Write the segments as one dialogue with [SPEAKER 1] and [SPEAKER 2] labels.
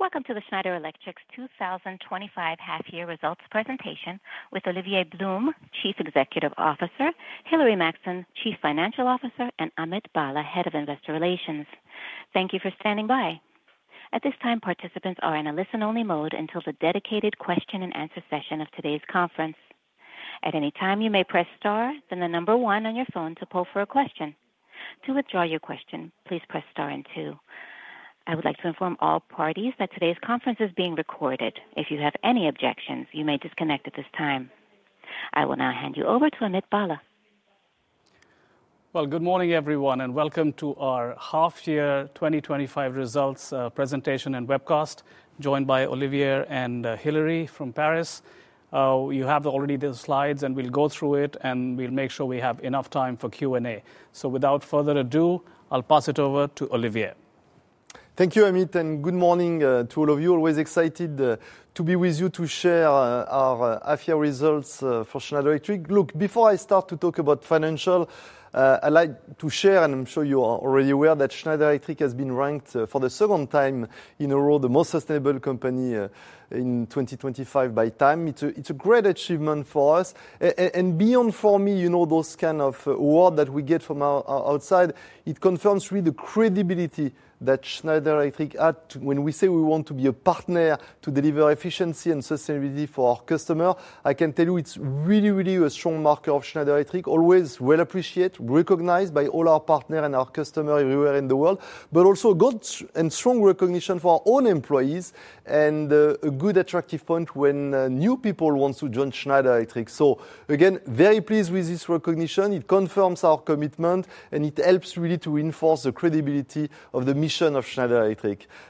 [SPEAKER 1] Welcome to Schneider Electric's 2025 half-year results presentation with Olivier Blum, Chief Executive Officer, Hilary Maxson, Chief Financial Officer, and Amit Bhalla, Head of Investor Relations. Thank you for standing by. At this time, participants are in a listen-only mode until the dedicated question-and-answer session of today's conference. At any time, you may press star and the number one on your phone to queue for a question. To withdraw your question, please press star and two. I would like to inform all parties that today's conference is being recorded. If you have any objections, you may disconnect at this time. I will now hand you over to Amit Bhalla.
[SPEAKER 2] Good morning, everyone, and welcome to our half-year 2025 results presentation and webcast, joined by Olivier and Hilary from Paris. You already have the slides, and we'll go through it, and we'll make sure we have enough time for Q&A. Without further ado, I'll pass it over to Olivier.
[SPEAKER 3] Thank you, Amit, and good morning to all of you. Always excited to be with you to share our half-year results for Schneider Electric. Look, before I start to talk about financials, I'd like to share, and I'm sure you are already aware, that Schneider Electric has been ranked for the second time in a row the most sustainable company in 2025 by TIME. It's a great achievement for us. Beyond, for me, you know, those kind of awards that we get from outside, it confirms with the credibility that Schneider Electric had when we say we want to be a partner to deliver efficiency and sustainability for our customers. I can tell you it's really, really a strong marker of Schneider Electric. Always well appreciated, recognized by all our partners and our customers everywhere in the world, but also a good and strong recognition for our own employees and a good attractive point when new people want to join Schneider Electric. Again, very pleased with this recognition. It confirms our commitment, and it helps really to reinforce the credibility of the mission of Schneider Electric.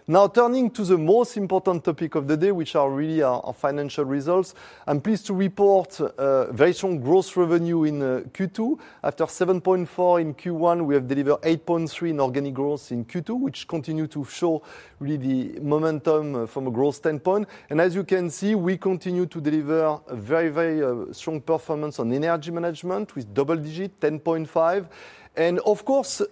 [SPEAKER 3] Now, turning to the most important topic of the day, which are really our financial results, I'm pleased to report a very strong gross revenue in Q2. After 7.4% in Q1, we have delivered 8.3% in organic growth in Q2, which continues to show really the momentum from a growth standpoint. As you can see, we continue to deliver a very, very strong performance on Energy Management with double digits, 10.5%. Of course,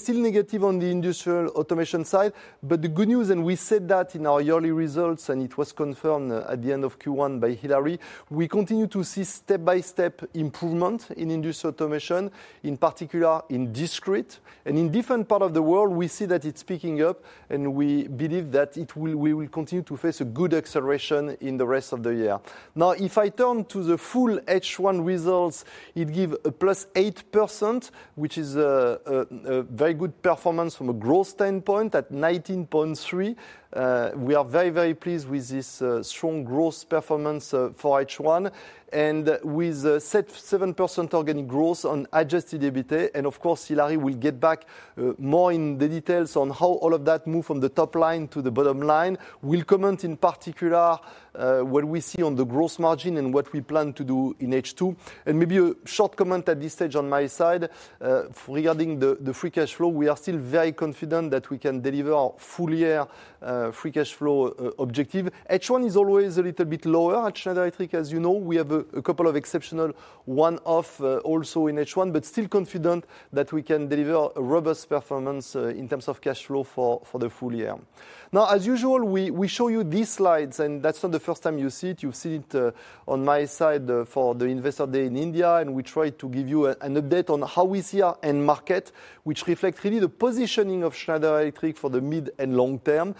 [SPEAKER 3] still negative on the Industrial Automation side. The good news, and we said that in our early results, and it was confirmed at the end of Q1 by Hilary, we continue to see step-by-step improvement in Industrial Automation, in particular in Discrete. In different parts of the world, we see that it's picking up, and we believe that we will continue to face a good acceleration in the rest of the year. Now, if I turn to the full H1 results, it gives a plus 8%, which is a very good performance from a growth standpoint at $19.3 billion. We are very, very pleased with this strong growth performance for H1 and with a 7% organic growth on adjusted EBITDA. Of course, Hilary will get back more in the details on how all of that moved from the top line to the bottom line. We'll comment in particular what we see on the gross margin and what we plan to do in H2. Maybe a short comment at this stage on my side. Regarding the free cash flow, we are still very confident that we can deliver a full-year free cash flow objective. H1 is always a little bit lower at Schneider Electric, as you know. We have a couple of exceptional one-offs also in H1, but still confident that we can deliver a robust performance in terms of cash flow for the full year. As usual, we show you these slides, and that's not the first time you see it. You've seen it on my side for the Investor Day in India, and we try to give you an update on how we see our end market, which reflects really the positioning of Schneider Electric for the mid and long term.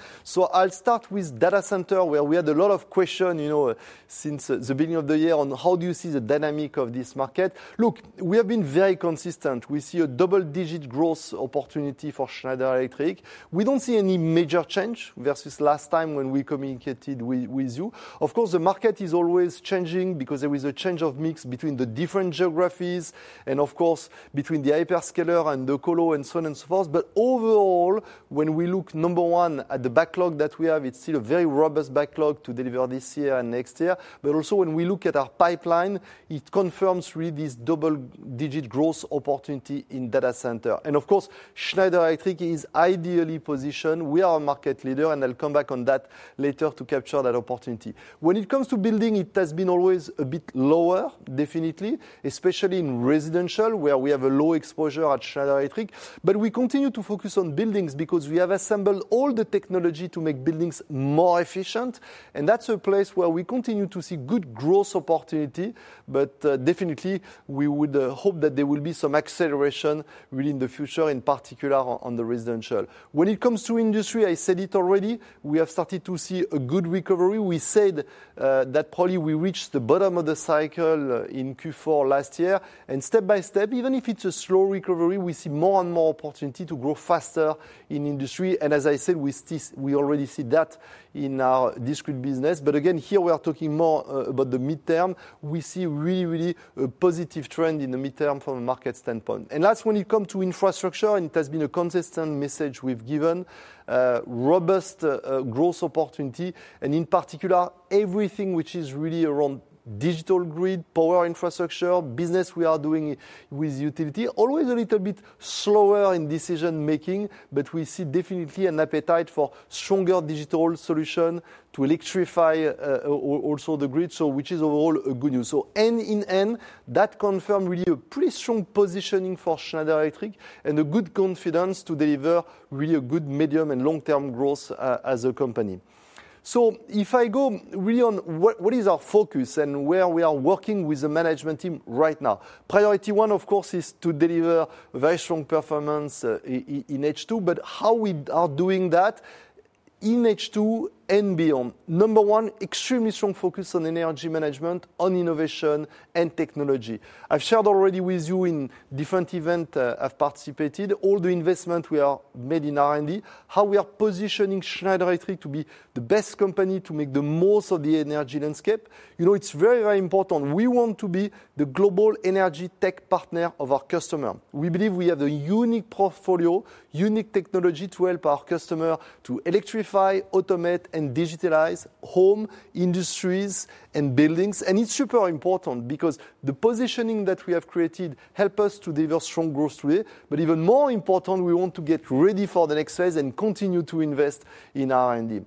[SPEAKER 3] I'll start with Data Center, where we had a lot of questions, you know, since the beginning of the year on how do you see the dynamic of this market. Look, we have been very consistent. We see a double-digit growth opportunity for Schneider Electric. We don't see any major change versus last time when we communicated with you. Of course, the market is always changing because there is a change of mix between the different geographies and, of course, between the hyperscaler and the colo and so on and so forth. Overall, when we look, number one, at the backlog that we have, it's still a very robust backlog to deliver this year and next year. Also, when we look at our pipeline, it confirms really this double-digit growth opportunity in Data Center. Of course, Schneider Electric is ideally positioned. We are a market leader, and I'll come back on that later to capture that opportunity. When it comes to building, it has been always a bit lower, definitely, especially in residential, where we have a low exposure at Schneider Electric. We continue to focus on buildings because we have assembled all the technology to make buildings more efficient. That's a place where we continue to see good growth opportunity. Definitely, we would hope that there will be some acceleration really in the future, in particular on the residential. When it comes to industry, I said it already, we have started to see a good recovery. We said that probably we reached the bottom of the cycle in Q4 last year. Step by step, even if it's a slow recovery, we see more and more opportunity to grow faster in industry. As I said, we already see that in our discrete business. Again, here we are talking more about the midterm. We see really, really a positive trend in the midterm from a market standpoint. Last, when it comes to infrastructure, it has been a consistent message we've given. Robust growth opportunity. In particular, everything which is really around digital grid, power infrastructure, business we are doing with utility, always a little bit slower in decision-making. We see definitely an appetite for stronger digital solutions to electrify. Also the grid, which is overall good news. End in end, that confirms really a pretty strong positioning for Schneider Electric and a good confidence to deliver really a good medium and long-term growth as a company. If I go really on what is our focus and where we are working with the management team right now, priority one, of course, is to deliver a very strong performance in H2, but how we are doing that in H2 and beyond. Number one, extremely strong focus on energy management, on innovation, and technology. I've shared already with you in different events I've participated, all the investments we have made in R&D, how we are positioning Schneider Electric to be the best company to make the most of the energy landscape. You know, it's very, very important. We want to be the global energy tech partner of our customer. We believe we have a unique portfolio, unique technology to help our customer to electrify, automate, and digitalize home industries and buildings. It's super important because the positioning that we have created helps us to deliver strong growth today. Even more important, we want to get ready for the next phase and continue to invest in R&D.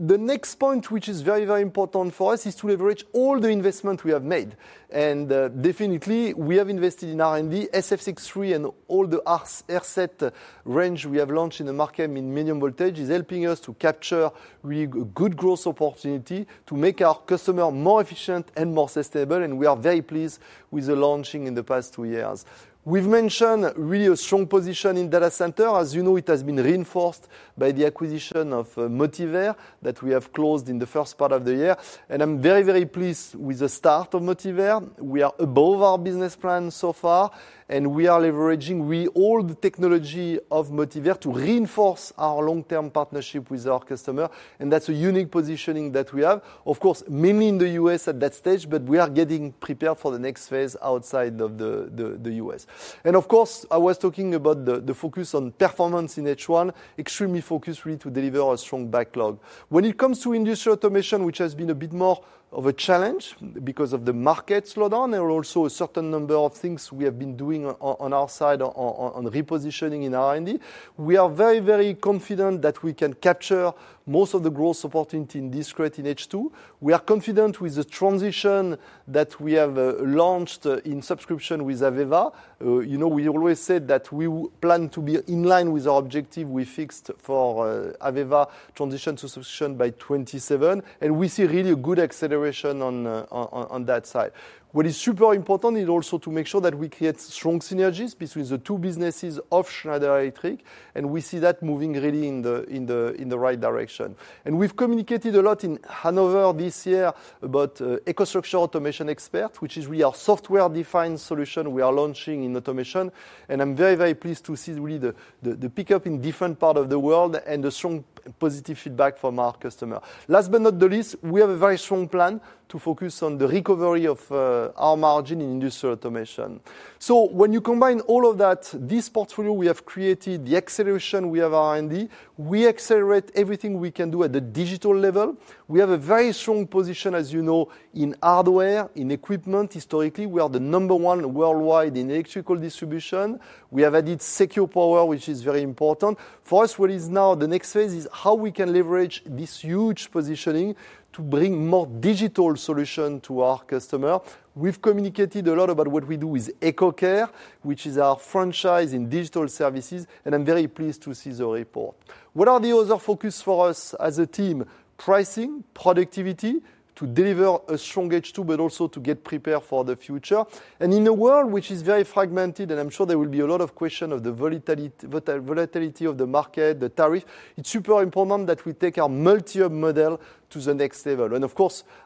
[SPEAKER 3] The next point, which is very, very important for us, is to leverage all the investments we have made. Definitely, we have invested in R&D, SF63, and all the RSET range we have launched in the market in medium voltage is helping us to capture really good growth opportunity to make our customer more efficient and more sustainable. We are very pleased with the launching in the past two years. We've mentioned really a strong position in Data Center. As you know, it has been reinforced by the acquisition of Motivair that we have closed in the first part of the year. I'm very, very pleased with the start of Motivair. We are above our business plan so far, and we are leveraging all the technology of Motivair to reinforce our long-term partnership with our customer. That's a unique positioning that we have. Of course, mainly in the U.S. at that stage, but we are getting prepared for the next phase outside of the U.S. I was talking about the focus on performance in H1, extremely focused really to deliver a strong backlog. When it comes to industrial automation, which has been a bit more of a challenge because of the market slowdown, there are also a certain number of things we have been doing on our side on repositioning in R&D. We are very, very confident that we can capture most of the growth opportunity in discrete in H2. We are confident with the transition that we have launched in subscription with AVEVA. You know, we always said that we plan to be in line with our objective. We fixed for AVEVA transition to subscription by 2027, and we see really a good acceleration on that side. What is super important is also to make sure that we create strong synergies between the two businesses of Schneider Electric, and we see that moving really in the right direction. We've communicated a lot in Hanover this year about EcoStruxure Automation Expert, which is really our software-defined solution we are launching in automation. I'm very, very pleased to see really the pickup in different parts of the world and the strong positive feedback from our customer. Last but not the least, we have a very strong plan to focus on the recovery of our margin in industrial automation. When you combine all of that, this portfolio we have created, the acceleration we have in R&D, we accelerate everything we can do at the digital level. We have a very strong position, as you know, in hardware, in equipment. Historically, we are the number one worldwide in electrical distribution. We have added secure power, which is very important. For us, what is now the next phase is how we can leverage this huge positioning to bring more digital solutions to our customer. We've communicated a lot about what we do with EcoCare, which is our franchise in digital services, and I'm very pleased to see the report. What are the other focuses for us as a team? Pricing, productivity, to deliver a strong H2, but also to get prepared for the future. In a world which is very fragmented, and I'm sure there will be a lot of questions of the volatility of the market, the tariffs, it's super important that we take our multi-year model to the next level.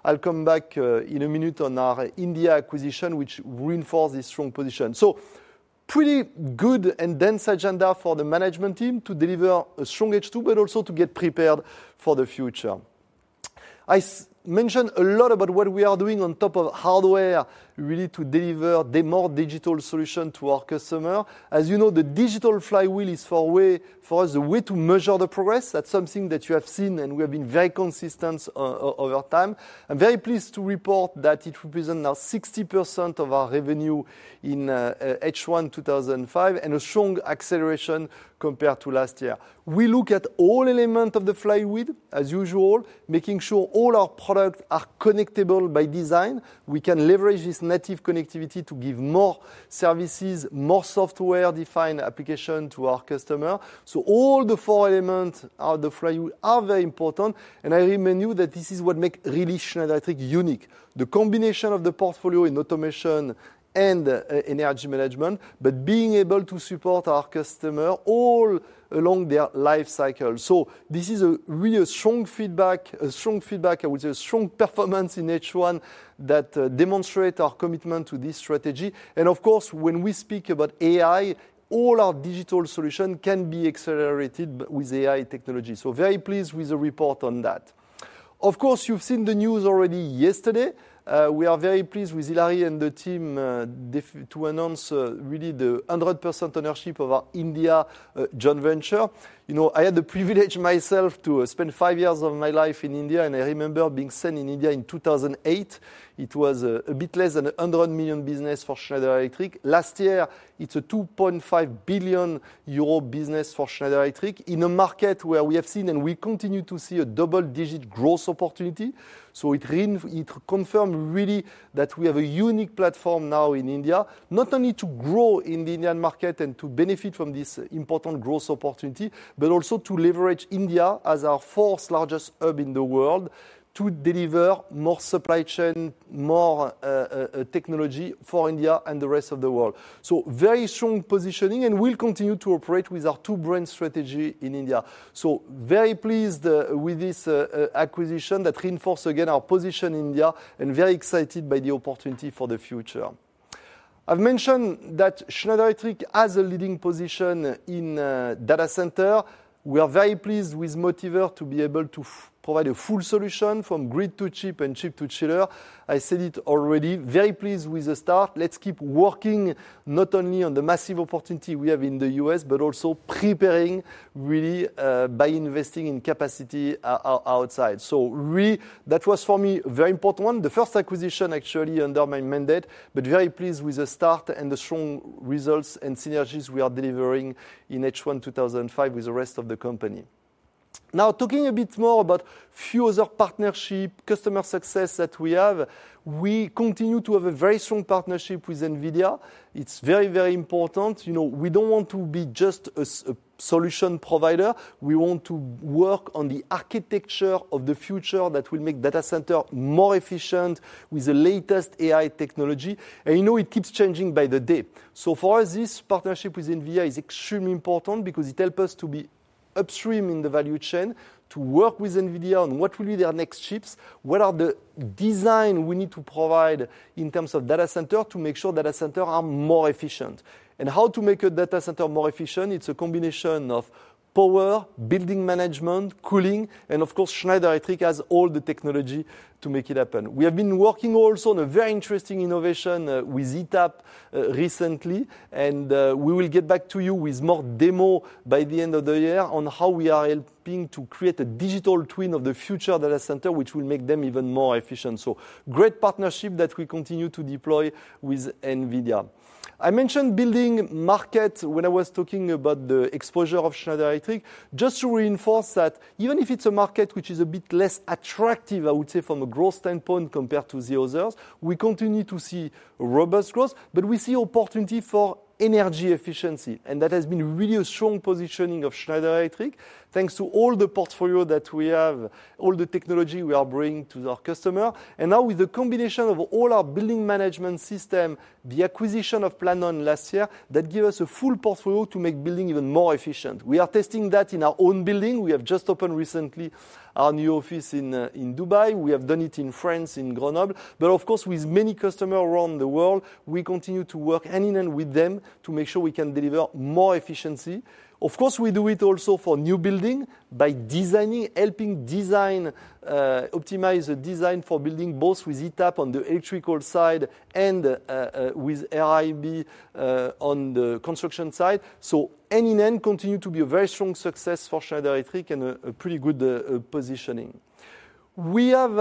[SPEAKER 3] I'll come back in a minute on our India acquisition, which reinforced this strong position. Pretty good and dense agenda for the management team to deliver a strong H2, but also to get prepared for the future. I mentioned a lot about what we are doing on top of hardware really to deliver the more digital solution to our customer. As you know, the digital flywheel is for us a way to measure the progress. That's something that you have seen, and we have been very consistent over time. I'm very pleased to report that it represents now 60% of our revenue in H1 2025 and a strong acceleration compared to last year. We look at all elements of the flywheel, as usual, making sure all our products are connectable by design. We can leverage this native connectivity to give more services, more software-defined applications to our customer. All the four elements of the flywheel are very important. I remind you that this is what makes really Schneider Electric unique, the combination of the portfolio in automation and energy management, but being able to support our customer all along their life cycle. This is really a strong feedback, a strong feedback, I would say a strong performance in H1 that demonstrates our commitment to this strategy. Of course, when we speak about AI, all our digital solutions can be accelerated with AI technology. Very pleased with the report on that. Of course, you've seen the news already yesterday. We are very pleased with Hilary and the team to announce really the 100% ownership of our India joint venture. You know, I had the privilege myself to spend five years of my life in India, and I remember being sent in India in 2008. It was a bit less than $100 million business for Schneider Electric. Last year, it's a 2.5 billion euro business for Schneider Electric in a market where we have seen and we continue to see a double-digit growth opportunity. It confirmed really that we have a unique platform now in India, not only to grow in the Indian market and to benefit from this important growth opportunity, but also to leverage India as our fourth largest hub in the world to deliver more supply chain, more technology for India and the rest of the world. Very strong positioning and we'll continue to operate with our two-brand strategy in India. Very pleased with this acquisition that reinforced again our position in India and very excited by the opportunity for the future. I've mentioned that Schneider Electric has a leading position in data center. We are very pleased with Motivair to be able to provide a full solution from grid to chip and chip to chiller. I said it already, very pleased with the start. Let's keep working not only on the massive opportunity we have in the U.S., but also preparing really by investing in capacity outside. That was for me a very important one, the first acquisition actually under my mandate, very pleased with the start and the strong results and synergies we are delivering in H1 2005 with the rest of the company. Now, talking a bit more about a few other partnerships, customer success that we have, we continue to have a very strong partnership with NVIDIA. It's very, very important. You know, we don't want to be just a solution provider. We want to work on the architecture of the future that will make Data Center more efficient with the latest AI technology. You know, it keeps changing by the day. For us, this partnership with NVIDIA is extremely important because it helps us to be upstream in the value chain, to work with NVIDIA on what will be their next chips, what are the designs we need to provide in terms of Data Center to make sure Data Centers are more efficient. How to make a Data Center more efficient? It's a combination of power, building management, cooling, and of course, Schneider Electric has all the technology to make it happen. We have been working also on a very interesting innovation with ETAP recently, and we will get back to you with more demo by the end of the year on how we are helping to create a digital twin of the future Data Center, which will make them even more efficient. Great partnership that we continue to deploy with NVIDIA. I mentioned building market when I was talking about the exposure of Schneider Electric, just to reinforce that even if it's a market which is a bit less attractive, I would say from a growth standpoint compared to the others, we continue to see robust growth, but we see opportunity for energy efficiency. That has been really a strong positioning of Schneider Electric, thanks to all the portfolio that we have, all the technology we are bringing to our customer. Now with the combination of all our building management system, the acquisition of Planon last year, that gives us a full portfolio to make building even more efficient. We are testing that in our own building. We have just opened recently our new office in Dubai. We have done it in France, in Grenoble. Of course, with many customers around the world, we continue to work hand in hand with them to make sure we can deliver more efficiency. We do it also for new building by designing, helping design, optimize the design for building both with ETAP on the electrical side and with AIB on the construction side. Hand in hand, it continues to be a very strong success for Schneider Electric and a pretty good positioning. We have,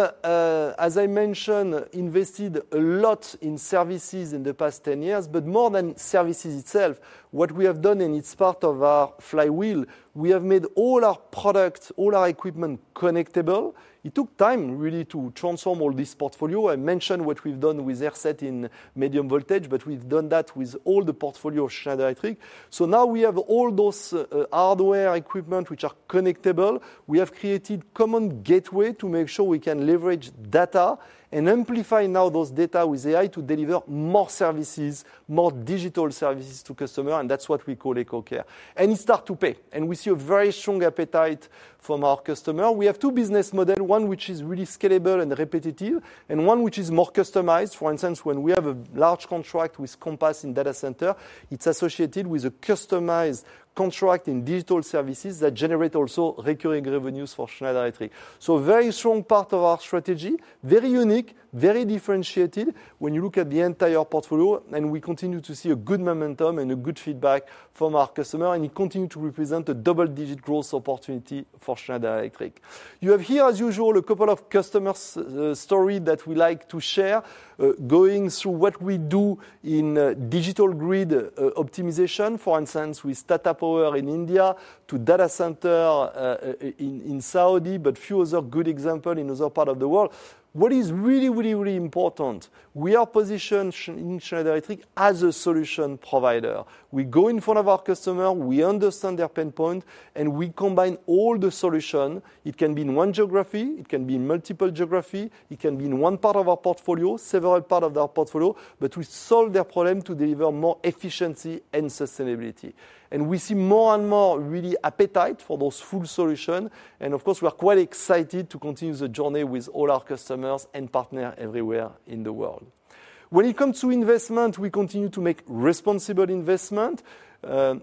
[SPEAKER 3] as I mentioned, invested a lot in services in the past 10 years, but more than services itself, what we have done, and it's part of our flywheel, we have made all our products, all our equipment connectable. It took time really to transform all this portfolio. I mentioned what we've done with ERSET in medium voltage, but we've done that with all the portfolio of Schneider Electric. Now we have all those hardware equipment which are connectable. We have created a common gateway to make sure we can leverage data and amplify now those data with AI to deliver more services, more digital services to customers. That's what we call EcoCare. It's starting to pay, and we see a very strong appetite from our customers. We have two business models, one which is really scalable and repetitive, and one which is more customized. For instance, when we have a large contract with Compass in Data Center, it's associated with a customized contract in digital services that generate also recurring revenues for Schneider Electric. A very strong part of our strategy, very unique, very differentiated when you look at the entire portfolio. We continue to see a good momentum and a good feedback from our customers, and it continues to represent a double-digit growth opportunity for Schneider Electric. You have here, as usual, a couple of customers' stories that we like to share, going through what we do in digital grid optimization. For instance, with Tata Power in India to Data Center in Saudi, but a few other good examples in other parts of the world. What is really, really, really important, we are positioned in Schneider Electric as a solution provider. We go in front of our customers, we understand their pain point, and we combine all the solutions. It can be in one geography, it can be in multiple geographies, it can be in one part of our portfolio, several parts of our portfolio, but we solve their problem to deliver more efficiency and sustainability. We see more and more really appetite for those full solutions. Of course, we are quite excited to continue the journey with all our customers and partners everywhere in the world. When it comes to investment, we continue to make responsible investment.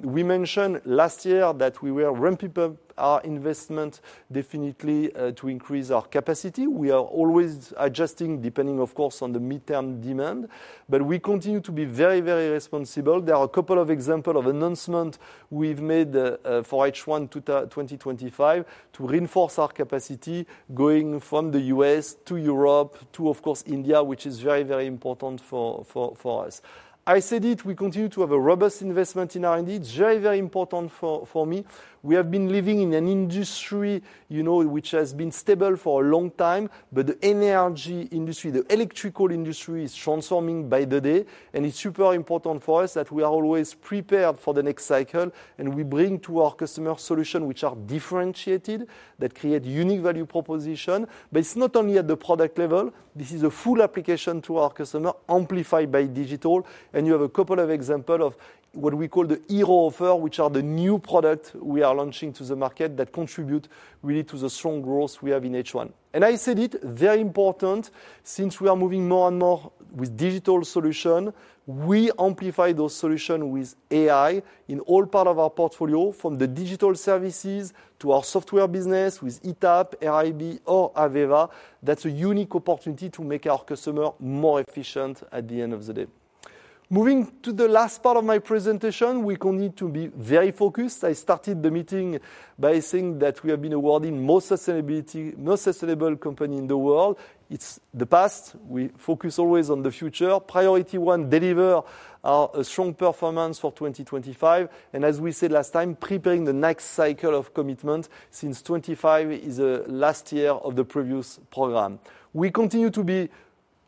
[SPEAKER 3] We mentioned last year that we will ramp up our investment definitely to increase our capacity. We are always adjusting depending, of course, on the mid-term demand, but we continue to be very, very responsible. There are a couple of examples of announcements we've made for H1 2025 to reinforce our capacity going from the U.S. to Europe to, of course, India, which is very, very important for us. I said it, we continue to have a robust investment in R&D. It's very, very important for me. We have been living in an industry, you know, which has been stable for a long time, but the energy industry, the electrical industry is transforming by the day. It is super important for us that we are always prepared for the next cycle. We bring to our customers solutions which are differentiated, that create unique value proposition. It is not only at the product level. This is a full application to our customer, amplified by digital. You have a couple of examples of what we call the Hero Offer, which are the new products we are launching to the market that contribute really to the strong growth we have in H1. I said it, very important, since we are moving more and more with digital solutions, we amplify those solutions with AI in all parts of our portfolio, from the digital services to our software business with ETAP, AIB, or AVEVA. That's a unique opportunity to make our customers more efficient at the end of the day. Moving to the last part of my presentation, we continue to be very focused. I started the meeting by saying that we have been awarded the most sustainable company in the world. It's the past. We focus always on the future. Priority one, deliver a strong performance for 2025. As we said last time, preparing the next cycle of commitment since 2025 is the last year of the previous program. We continue to be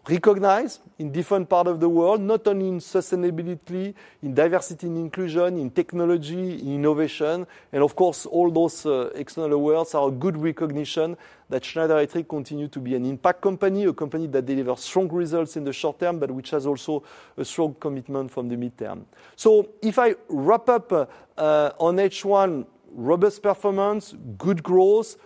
[SPEAKER 3] recognized in different parts of the world, not only in sustainability, in diversity and inclusion, in technology, in innovation. Of course, all those external awards are a good recognition that Schneider Electric continues to be an impact company, a company that delivers strong results in the short term, but which has also a strong commitment from the midterm. If I wrap up. On H1, robust performance, good growth,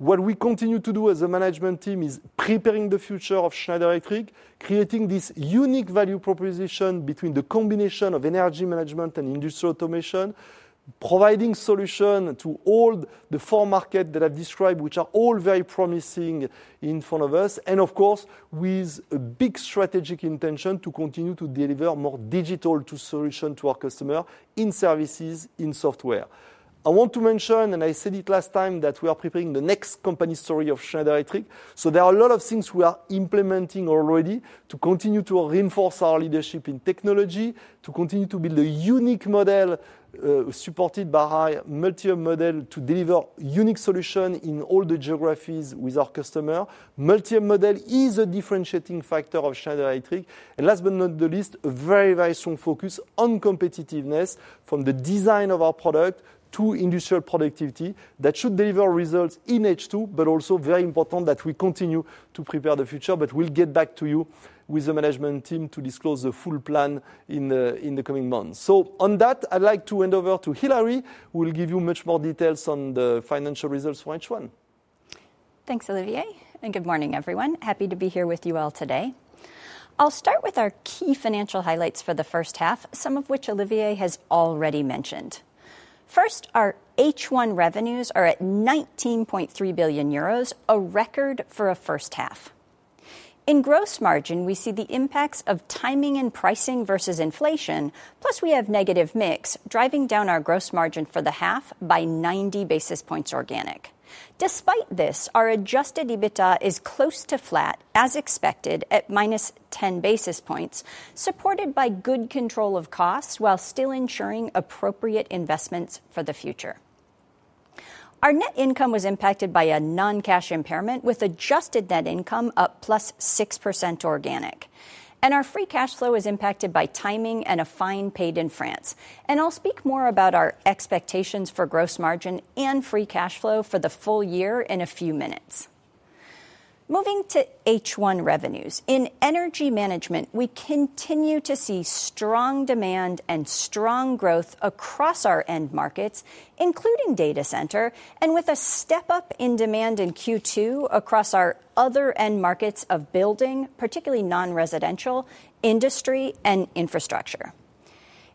[SPEAKER 3] what we continue to do as a management team is preparing the future of Schneider Electric, creating this unique value proposition between the combination of Energy Management and Industrial Automation, providing solutions to all the four markets that I've described, which are all very promising in front of us. Of course, with a big strategic intention to continue to deliver more digital solutions to our customers in services, in software. I want to mention, and I said it last time, that we are preparing the next company story of Schneider Electric. There are a lot of things we are implementing already to continue to reinforce our leadership in technology, to continue to build a unique model. Supported by a multi-year model to deliver unique solutions in all the geographies with our customers. Multi-year model is a differentiating factor of Schneider Electric. Last but not the least, a very, very strong focus on competitiveness from the design of our product to industrial productivity that should deliver results in H2, also very important that we continue to prepare the future. We'll get back to you with the management team to disclose the full plan in the coming months. On that, I'd like to hand over to Hilary, who will give you much more details on the financial results for H1.
[SPEAKER 4] Thanks, Olivier. Good morning, everyone. Happy to be here with you all today. I'll start with our key financial highlights for the first half, some of which Olivier has already mentioned. First, our H1 revenues are at 19.3 billion euros, a record for a first half. In gross margin, we see the impacts of timing and pricing versus inflation, plus we have negative mix driving down our gross margin for the half by 90 basis points organic. Despite this, our adjusted EBITDA is close to flat, as expected, at minus 10 basis points, supported by good control of costs while still ensuring appropriate investments for the future. Our net income was impacted by a non-cash impairment, with adjusted net income up +6% organic. Our free cash flow was impacted by timing and a fine paid in France. I'll speak more about our expectations for gross margin and free cash flow for the full year in a few minutes. Moving to H1 revenues. In Energy Management, we continue to see strong demand and strong growth across our end markets, including Data Center, with a step up in demand in Q2 across our other end markets of building, particularly non-residential, industry, and infrastructure.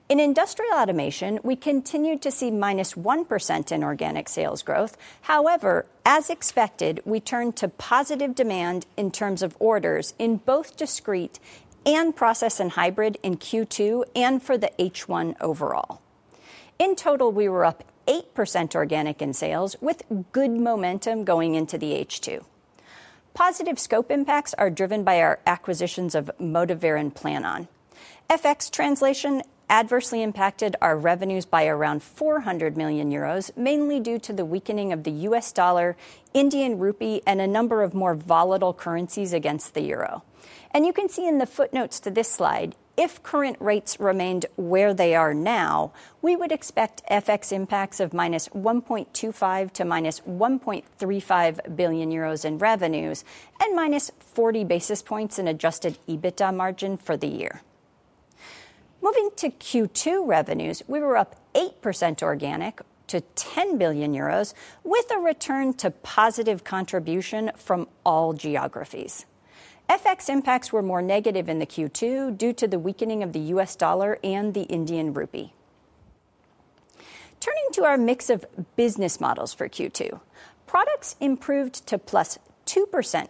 [SPEAKER 4] In Industrial Automation, we continued to see minus 1% in organic sales growth. However, as expected, we turned to positive demand in terms of orders in both discrete and process and hybrid in Q2 and for the H1 overall. In total, we were up 8% organic in sales, with good momentum going into the H2. Positive scope impacts are driven by our acquisitions of Motivair and Planon. FX translation adversely impacted our revenues by around 400 million euros, mainly due to the weakening of the U.S. dollar, Indian rupee, and a number of more volatile currencies against the euro. You can see in the footnotes to this slide, if current rates remained where they are now, we would expect FX impacts of minus 1.25 billion to minus 1.35 billion euros in revenues and minus 40 basis points in adjusted EBITDA margin for the year. Moving to Q2 revenues, we were up 8% organic to 10 billion euros, with a return to positive contribution from all geographies. FX impacts were more negative in the Q2 due to the weakening of the U.S. dollar and the Indian rupee. Turning to our mix of business models for Q2, products improved to plus 2%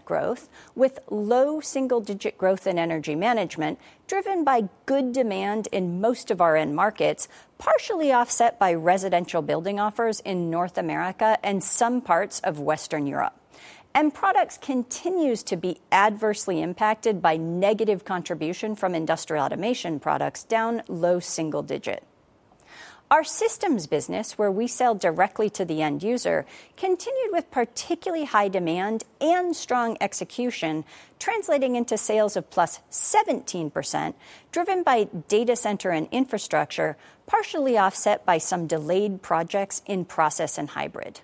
[SPEAKER 4] growth, with low single-digit growth in Energy Management driven by good demand in most of our end markets, partially offset by residential building offers in North America and some parts of Western Europe. Products continue to be adversely impacted by negative contribution from Industrial Automation products down low single digit. Our systems business, where we sell directly to the end user, continued with particularly high demand and strong execution, translating into sales of plus 17%, driven by Data Center and infrastructure, partially offset by some delayed projects in process and hybrid.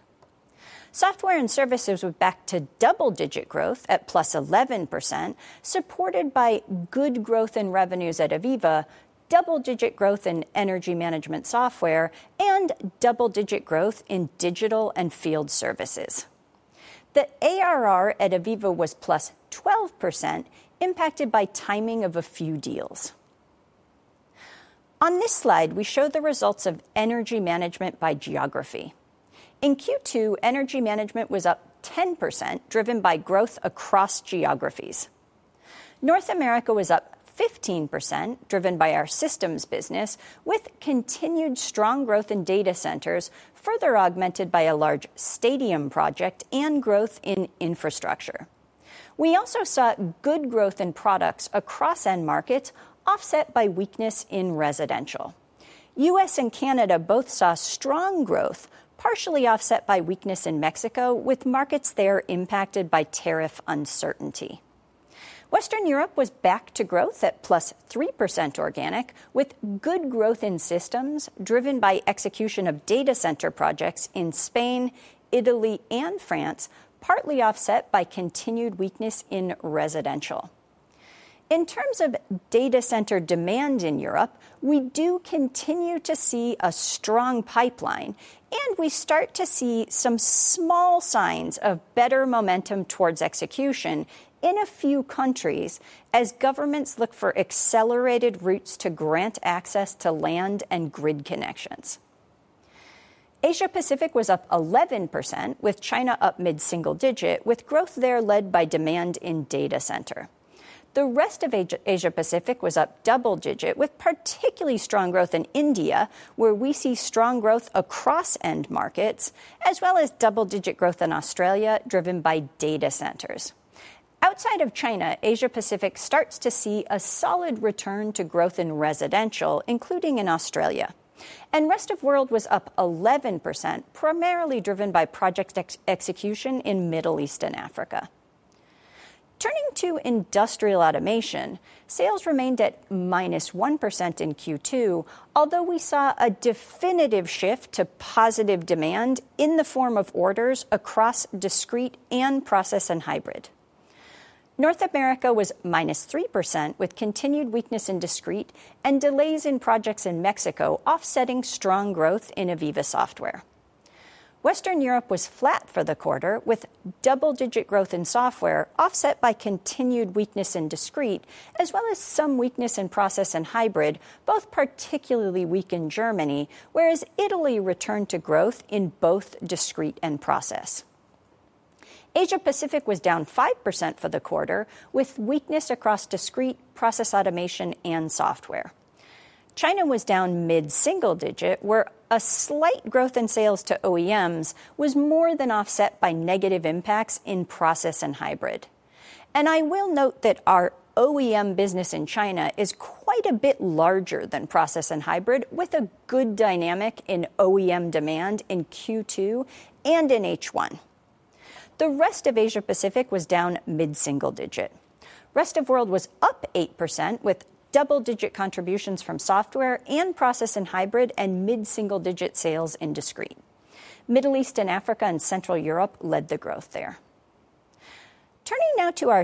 [SPEAKER 4] Software and services were back to double-digit growth at plus 11%, supported by good growth in revenues at AVEVA, double-digit growth in Energy Management software, and double-digit growth in digital and field services. The ARR at AVEVA was plus 12%, impacted by timing of a few deals. On this slide, we show the results of Energy Management by geography. In Q2, Energy Management was up 10%, driven by growth across geographies. North America was up 15%, driven by our systems business, with continued strong growth in data centers, further augmented by a large stadium project and growth in infrastructure. We also saw good growth in products across end markets, offset by weakness in residential. U.S. and Canada both saw strong growth, partially offset by weakness in Mexico, with markets there impacted by tariff uncertainties. Western Europe was back to growth at +3% organic, with good growth in systems, driven by execution of data center projects in Spain, Italy, and France, partly offset by continued weakness in residential. In terms of data center demand in Europe, we do continue to see a strong pipeline, and we start to see some small signs of better momentum towards execution in a few countries as governments look for accelerated routes to grant access to land and grid connections. Asia-Pacific was up 11%, with China up mid-single digit, with growth there led by demand in data center. The rest of Asia-Pacific was up double digit, with particularly strong growth in India, where we see strong growth across end markets, as well as double-digit growth in Australia, driven by data centers. Outside of China, Asia-Pacific starts to see a solid return to growth in residential, including in Australia. The rest of the world was up 11%, primarily driven by project execution in Middle East and Africa. Turning to industrial automation, sales remained at -1% in Q2, although we saw a definitive shift to positive demand in the form of orders across discrete and process and hybrid. North America was -3%, with continued weakness in discrete and delays in projects in Mexico, offsetting strong growth in AVEVA software. Western Europe was flat for the quarter, with double-digit growth in software, offset by continued weakness in discrete, as well as some weakness in process and hybrid, both particularly weak in Germany, whereas Italy returned to growth in both discrete and process. Asia-Pacific was down 5% for the quarter, with weakness across discrete, process automation, and software. China was down mid-single digit, where a slight growth in sales to OEMs was more than offset by negative impacts in process and hybrid. I will note that our OEM business in China is quite a bit larger than process and hybrid, with a good dynamic in OEM demand in Q2 and in H1. The rest of Asia-Pacific was down mid-single digit. Rest of the world was up 8%, with double-digit contributions from software and process and hybrid and mid-single digit sales in discrete. Middle East and Africa and Central Europe led the growth there. Turning now to our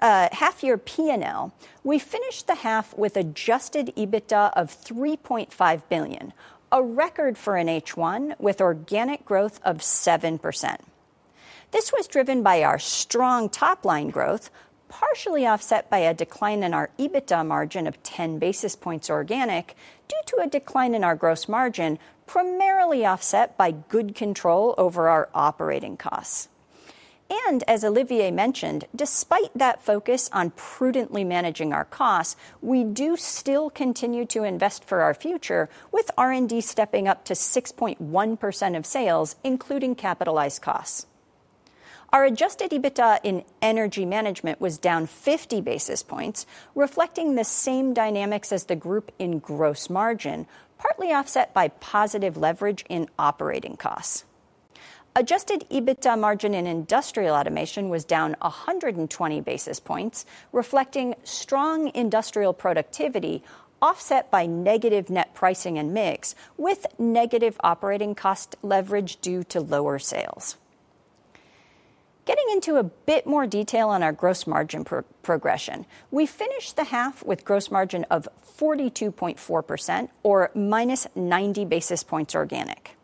[SPEAKER 4] half-year P&L, we finished the half with adjusted EBITDA of 3.5 billion, a record for an H1 with organic growth of 7%. This was driven by our strong top-line growth, partially offset by a decline in our EBITDA margin of 10 basis points organic due to a decline in our gross margin, primarily offset by good control over our operating costs. As Olivier Blum mentioned, despite that focus on prudently managing our costs, we do still continue to invest for our future, with R&D stepping up to 6.1% of sales, including capitalized costs. Our adjusted EBITDA in Energy Management was down 50 basis points, reflecting the same dynamics as the group in gross margin, partly offset by positive leverage in operating costs. Adjusted EBITDA margin in Industrial Automation was down 120 basis points, reflecting strong industrial productivity, offset by negative net pricing and mix, with negative operating cost leverage due to lower sales. Getting into a bit more detail on our gross margin progression, we finished the half with gross margin of 42.4%, or minus 90 basis points organic.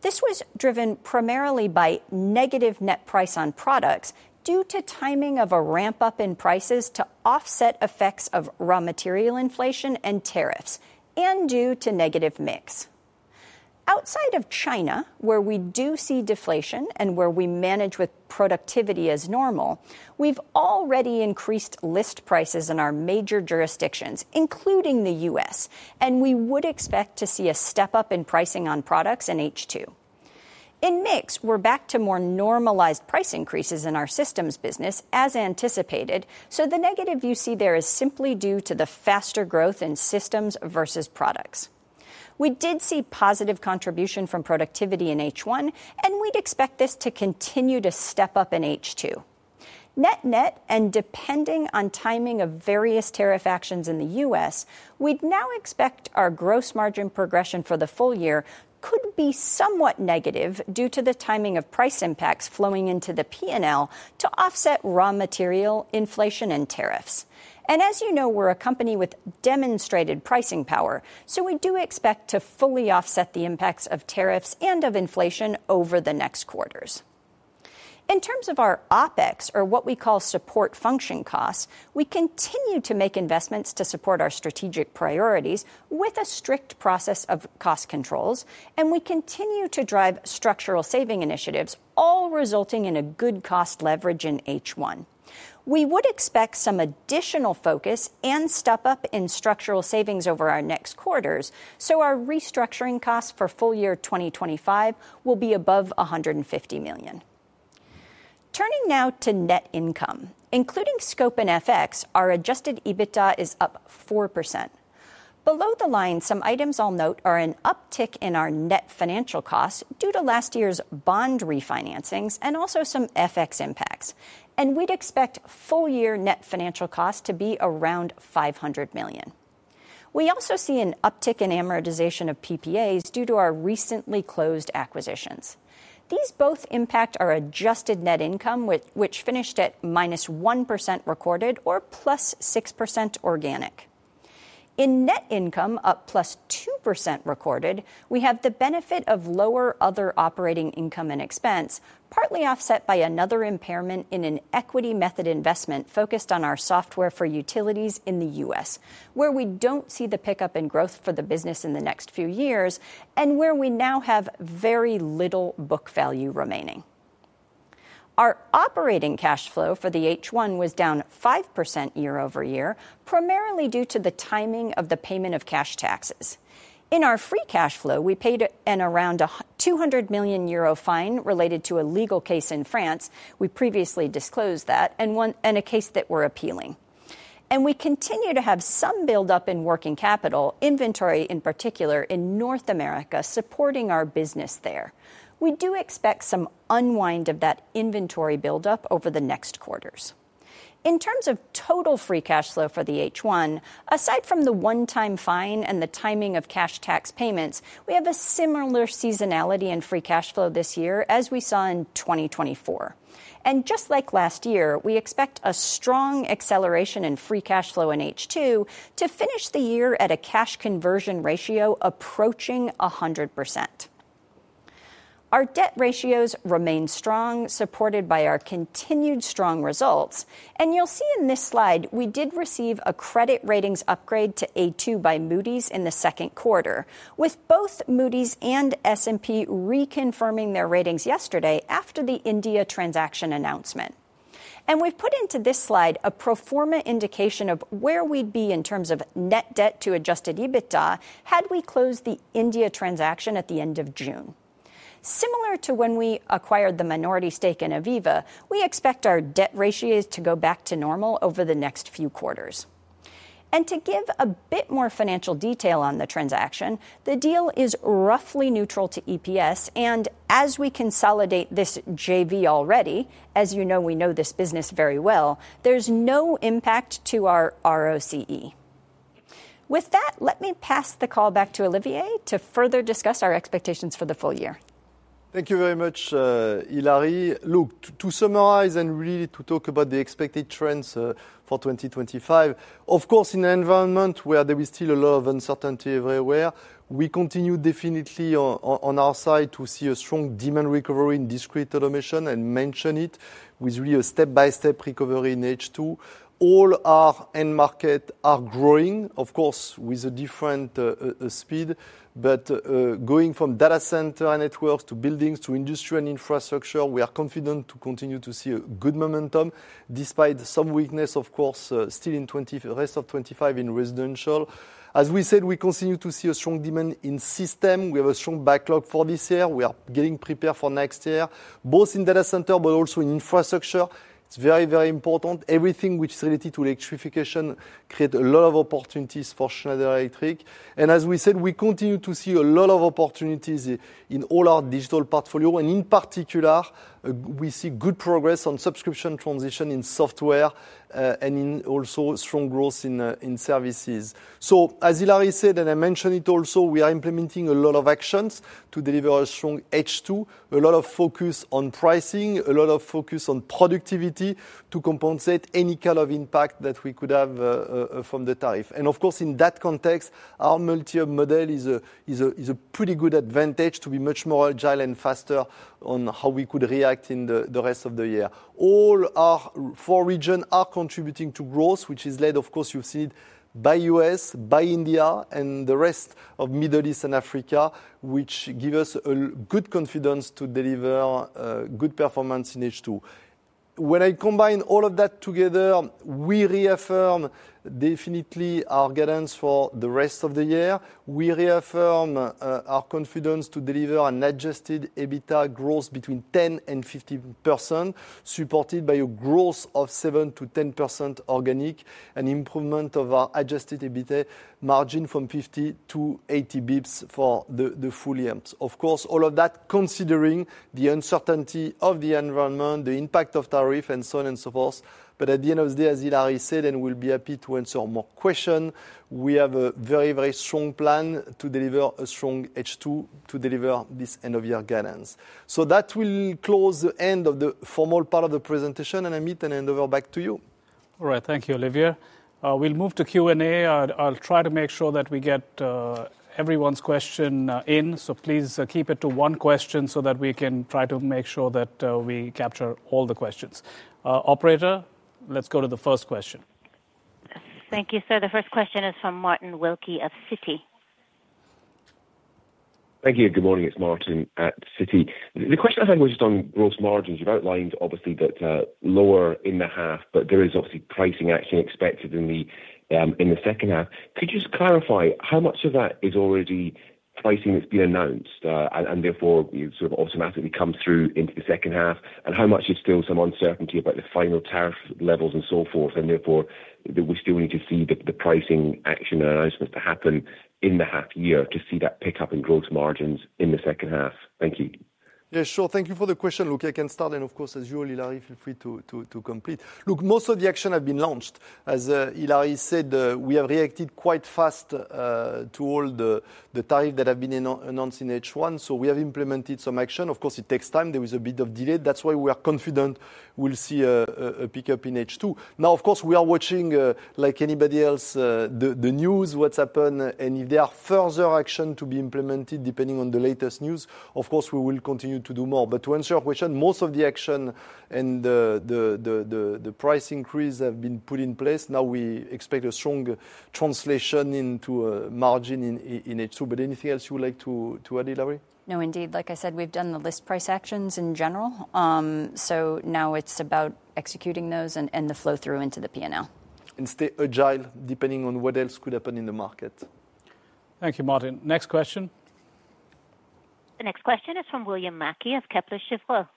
[SPEAKER 4] This was driven primarily by negative net price on products due to timing of a ramp-up in prices to offset effects of raw material inflation and tariffs, and due to negative mix. Outside of China, where we do see deflation and where we manage with productivity as normal, we've already increased list prices in our major jurisdictions, including the U.S., and we would expect to see a step up in pricing on products in H2. In mix, we're back to more normalized price increases in our systems business, as anticipated. The negative you see there is simply due to the faster growth in systems versus products. We did see positive contribution from productivity in H1, and we'd expect this to continue to step up in H2. Net-net, and depending on timing of various tariff actions in the U.S., we'd now expect our gross margin progression for the full year could be somewhat negative due to the timing of price impacts flowing into the P&L to offset raw material inflation and tariffs. As you know, we're a company with demonstrated pricing power, so we do expect to fully offset the impacts of tariffs and of inflation over the next quarters. In terms of our OpEx, or what we call support function costs, we continue to make investments to support our strategic priorities with a strict process of cost controls, and we continue to drive structural saving initiatives, all resulting in a good cost leverage in H1. We would expect some additional focus and step up in structural savings over our next quarters, so our restructuring costs for full year 2025 will be above $150 million. Turning now to net income, including scope and FX, our adjusted EBITDA is up 4%. Below the line, some items I'll note are an uptick in our net financial costs due to last year's bond refinancings and also some FX impacts. We'd expect full year net financial costs to be around $500 million. We also see an uptick in amortization of PPAs due to our recently closed acquisitions. These both impact our adjusted net income, which finished at minus 1% recorded or plus 6% organic. In net income, up plus 2% recorded, we have the benefit of lower other operating income and expense, partly offset by another impairment in an equity method investment focused on our software for utilities in the U.S., where we don't see the pickup in growth for the business in the next few years, and where we now have very little book value remaining. Our operating cash flow for the H1 was down 5% year over year, primarily due to the timing of the payment of cash taxes. In our free cash flow, we paid an around $200 million fine related to a legal case in France. We previously disclosed that and a case that we're appealing. We continue to have some buildup in working capital, inventory in particular, in North America, supporting our business there. We do expect some unwind of that inventory buildup over the next quarters. In terms of total free cash flow for the H1, aside from the one-time fine and the timing of cash tax payments, we have a similar seasonality in free cash flow this year as we saw in 2024. Just like last year, we expect a strong acceleration in free cash flow in H2 to finish the year at a cash conversion ratio approaching 100%. Our debt ratios remain strong, supported by our continued strong results. You'll see in this slide, we did receive a credit ratings upgrade to A2 by Moody's in the second quarter, with both Moody's and S&P reconfirming their ratings yesterday after the India transaction announcement. We have put into this slide a proforma indication of where we would be in terms of net debt to adjusted EBITDA had we closed the India transaction at the end of June. Similar to when we acquired the minority stake in AVEVA, we expect our debt ratios to go back to normal over the next few quarters. To give a bit more financial detail on the transaction, the deal is roughly neutral to EPS, and as we consolidate this JV already, as you know, we know this business very well, there is no impact to our ROCE. With that, let me pass the call back to Olivier to further discuss our expectations for the full year.
[SPEAKER 3] Thank you very much, Hilary. To summarize and really to talk about the expected trends for 2025, of course, in an environment where there is still a lot of uncertainty everywhere, we continue definitely on our side to see a strong demand recovery in discrete automation and mention it with really a step-by-step recovery in H2. All our end markets are growing, of course, with a different speed, but going from Data Center networks to buildings to industrial infrastructure, we are confident to continue to see a good momentum despite some weakness, of course, still in the rest of 2025 in residential. As we said, we continue to see a strong demand in systems. We have a strong backlog for this year. We are getting prepared for next year, both in Data Center, but also in infrastructure. It is very, very important. Everything which is related to electrification creates a lot of opportunities for Schneider Electric. As we said, we continue to see a lot of opportunities in all our digital portfolio. In particular, we see good progress on subscription transition in software and also strong growth in services. As Hilary said, and I mentioned it also, we are implementing a lot of actions to deliver a strong H2, a lot of focus on pricing, a lot of focus on productivity to compensate any kind of impact that we could have from the tariff. In that context, our multi-year model is a pretty good advantage to be much more agile and faster on how we could react in the rest of the year. All our four regions are contributing to growth, which is led, of course, you have seen it by the U.S., by India, and the rest of the Middle East and Africa, which gives us a good confidence to deliver good performance in H2. When I combine all of that together, we reaffirm definitely our guidance for the rest of the year. We reaffirm our confidence to deliver an adjusted EBITDA growth between 10% and 15%, supported by a growth of 7% to 10% organic and improvement of our adjusted EBITDA margin from 50% to 80 bps for the full years. Of course, all of that considering the uncertainty of the environment, the impact of tariff, and so on and so forth. At the end of the day, as Hilary said, and we'll be happy to answer more questions, we have a very, very strong plan to deliver a strong H2 to deliver this end-of-year guidance. That will close the end of the formal part of the presentation, and I meet and hand over back to you.
[SPEAKER 2] All right, thank you, Olivier. We'll move to Q&A. I'll try to make sure that we get everyone's question in, so please keep it to one question so that we can try to make sure that we capture all the questions. Operator, let's go to the first question.
[SPEAKER 1] Thank you, sir. The first question is from Martin Wilkie of Citi.
[SPEAKER 5] Thank you. Good morning. It's Martin at Citi. The question I had was just on gross margins. You've outlined, obviously, that lower in the half, but there is obviously pricing action expected in the second half. Could you just clarify how much of that is already pricing that's been announced and therefore sort of automatically comes through into the second half, and how much is still some uncertainty about the final tariff levels and so forth, and therefore we still need to see the pricing action and announcements to happen in the half year to see that pickup in gross margins in the second half? Thank you.
[SPEAKER 3] Yes, sure. Thank you for the question. Look, I can start, and of course, as you all, Hilary, feel free to complete. Look, most of the action has been launched. As Hilary said, we have reacted quite fast to all the tariffs that have been announced in H1, so we have implemented some action. Of course, it takes time. There was a bit of delay. That's why we are confident we'll see a pickup in H2. Now, of course, we are watching, like anybody else, the news, what's happened, and if there are further actions to be implemented depending on the latest news, of course, we will continue to do more. To answer your question, most of the action and the price increase have been put in place. Now we expect a strong translation into margin in H2. Anything else you would like to add, Hilary?
[SPEAKER 4] No, indeed. Like I said, we've done the list price actions in general. Now it's about executing those and the flow through into the P&L.
[SPEAKER 3] Stay agile depending on what else could happen in the market.
[SPEAKER 2] Thank you, Martin. Next question.
[SPEAKER 1] The next question is from William Mackie of Kepler Cheuvreux.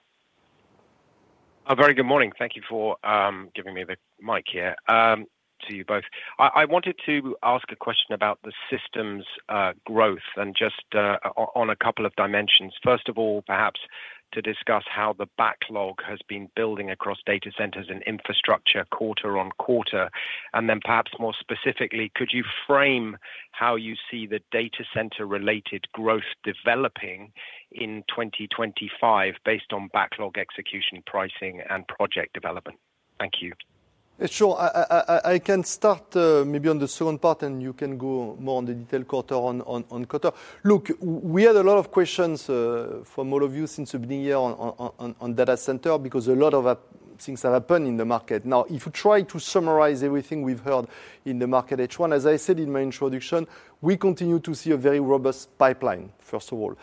[SPEAKER 1] Very good morning.
[SPEAKER 6] Thank you for giving me the mic here to you both. I wanted to ask a question about the systems growth and just on a couple of dimensions. First of all, perhaps to discuss how the backlog has been building across data centers and infrastructure quarter on quarter. Then perhaps more specifically, could you frame how you see the data center-related growth developing in 2025 based on backlog execution, pricing, and project development? Thank you.
[SPEAKER 3] Sure. I can start maybe on the second part, and you can go more on the detail quarter on quarter. Look, we had a lot of questions from all of you since the beginning here on data center because a lot of things have happened in the market. If you try to summarize everything we've heard in the market H1, as I said in my introduction, we continue to see a very robust pipeline, first of all.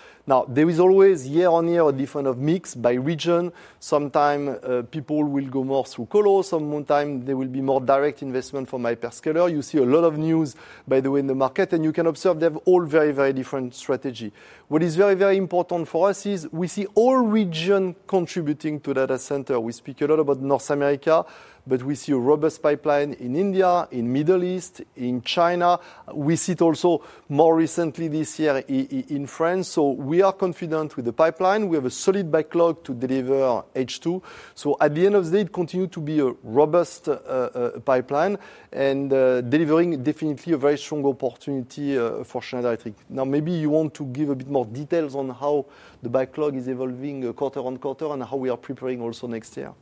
[SPEAKER 3] There is always year-on-year a different mix by region. Sometimes people will go more through color. Some time, there will be more direct investment from hyperscaler. You see a lot of news, by the way, in the market, and you can observe they have all very, very different strategies. What is very, very important for us is we see all regions contributing to data center. We speak a lot about North America, but we see a robust pipeline in India, in the Middle East, in China. We see it also more recently this year in France. We are confident with the pipeline. We have a solid backlog to deliver H2. At the end of the day, it continues to be a robust pipeline and delivering definitely a very strong opportunity for Schneider Electric. Maybe you want to give a bit more details on how the backlog is evolving quarter on quarter and how we are preparing also next year.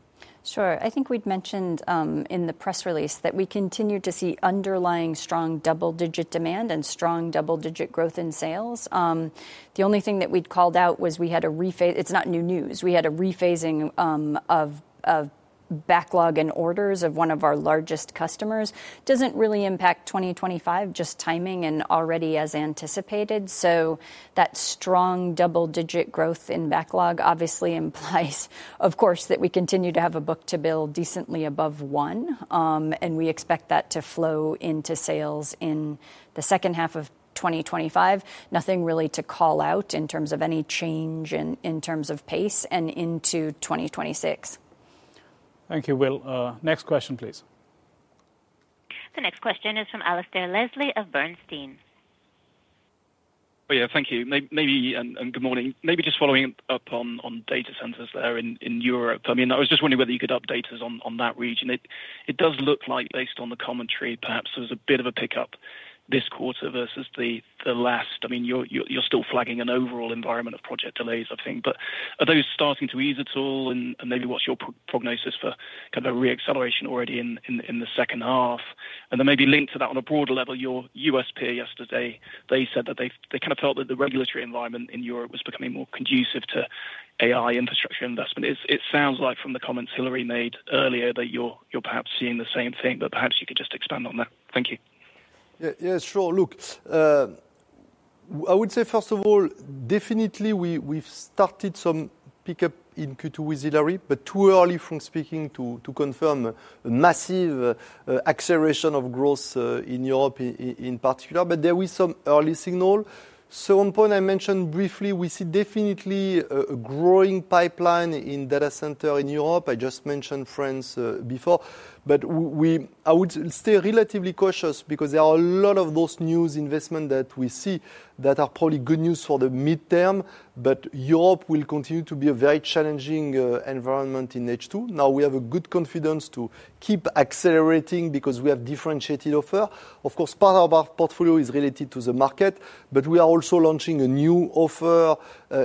[SPEAKER 4] Sure. I think we'd mentioned in the press release that we continue to see underlying strong double-digit demand and strong double-digit growth in sales. The only thing that we'd called out was we had a rephase, it's not new news. We had a rephasing of backlog and orders of one of our largest customers. It doesn't really impact 2025, just timing and already as anticipated. That strong double-digit growth in backlog obviously implies, of course, that we continue to have a book to bill decently above one, and we expect that to flow into sales in the second half of 2025. Nothing really to call out in terms of any change in terms of pace and into 2026.
[SPEAKER 2] Thank you, Will. Next question, please.
[SPEAKER 1] The next question is from Alasdair Leslie of Bernstein.
[SPEAKER 7] Oh, yeah, thank you. Maybe, and good morning. Maybe just following up on data centers there in Europe. I mean, I was just wondering whether you could update us on that region. It does look like, based on the commentary, perhaps there was a bit of a pickup this quarter versus the last. I mean, you're still flagging an overall environment of project delays, I think. Are those starting to ease at all? Maybe what's your prognosis for kind of a reacceleration already in the second half? Maybe linked to that on a broader level, your U.S. peer yesterday, they said that they kind of felt that the regulatory environment in Europe was becoming more conducive to AI infrastructure investment. It sounds like from the comments Hilary made earlier that you're perhaps seeing the same thing, but perhaps you could just expand on that. Thank you.
[SPEAKER 3] Yeah, sure. Look. I would say, first of all, definitely we've started some pickup in Q2 with Hilary, but too early from speaking to confirm a massive acceleration of growth in Europe in particular. There was some early signal. Second point I mentioned briefly, we see definitely a growing pipeline in data center in Europe. I just mentioned France before, but I would stay relatively cautious because there are a lot of those new investments that we see that are probably good news for the midterm, but Europe will continue to be a very challenging environment in H2. Now we have good confidence to keep accelerating because we have differentiated offer. Of course, part of our portfolio is related to the market, but we are also launching a new offer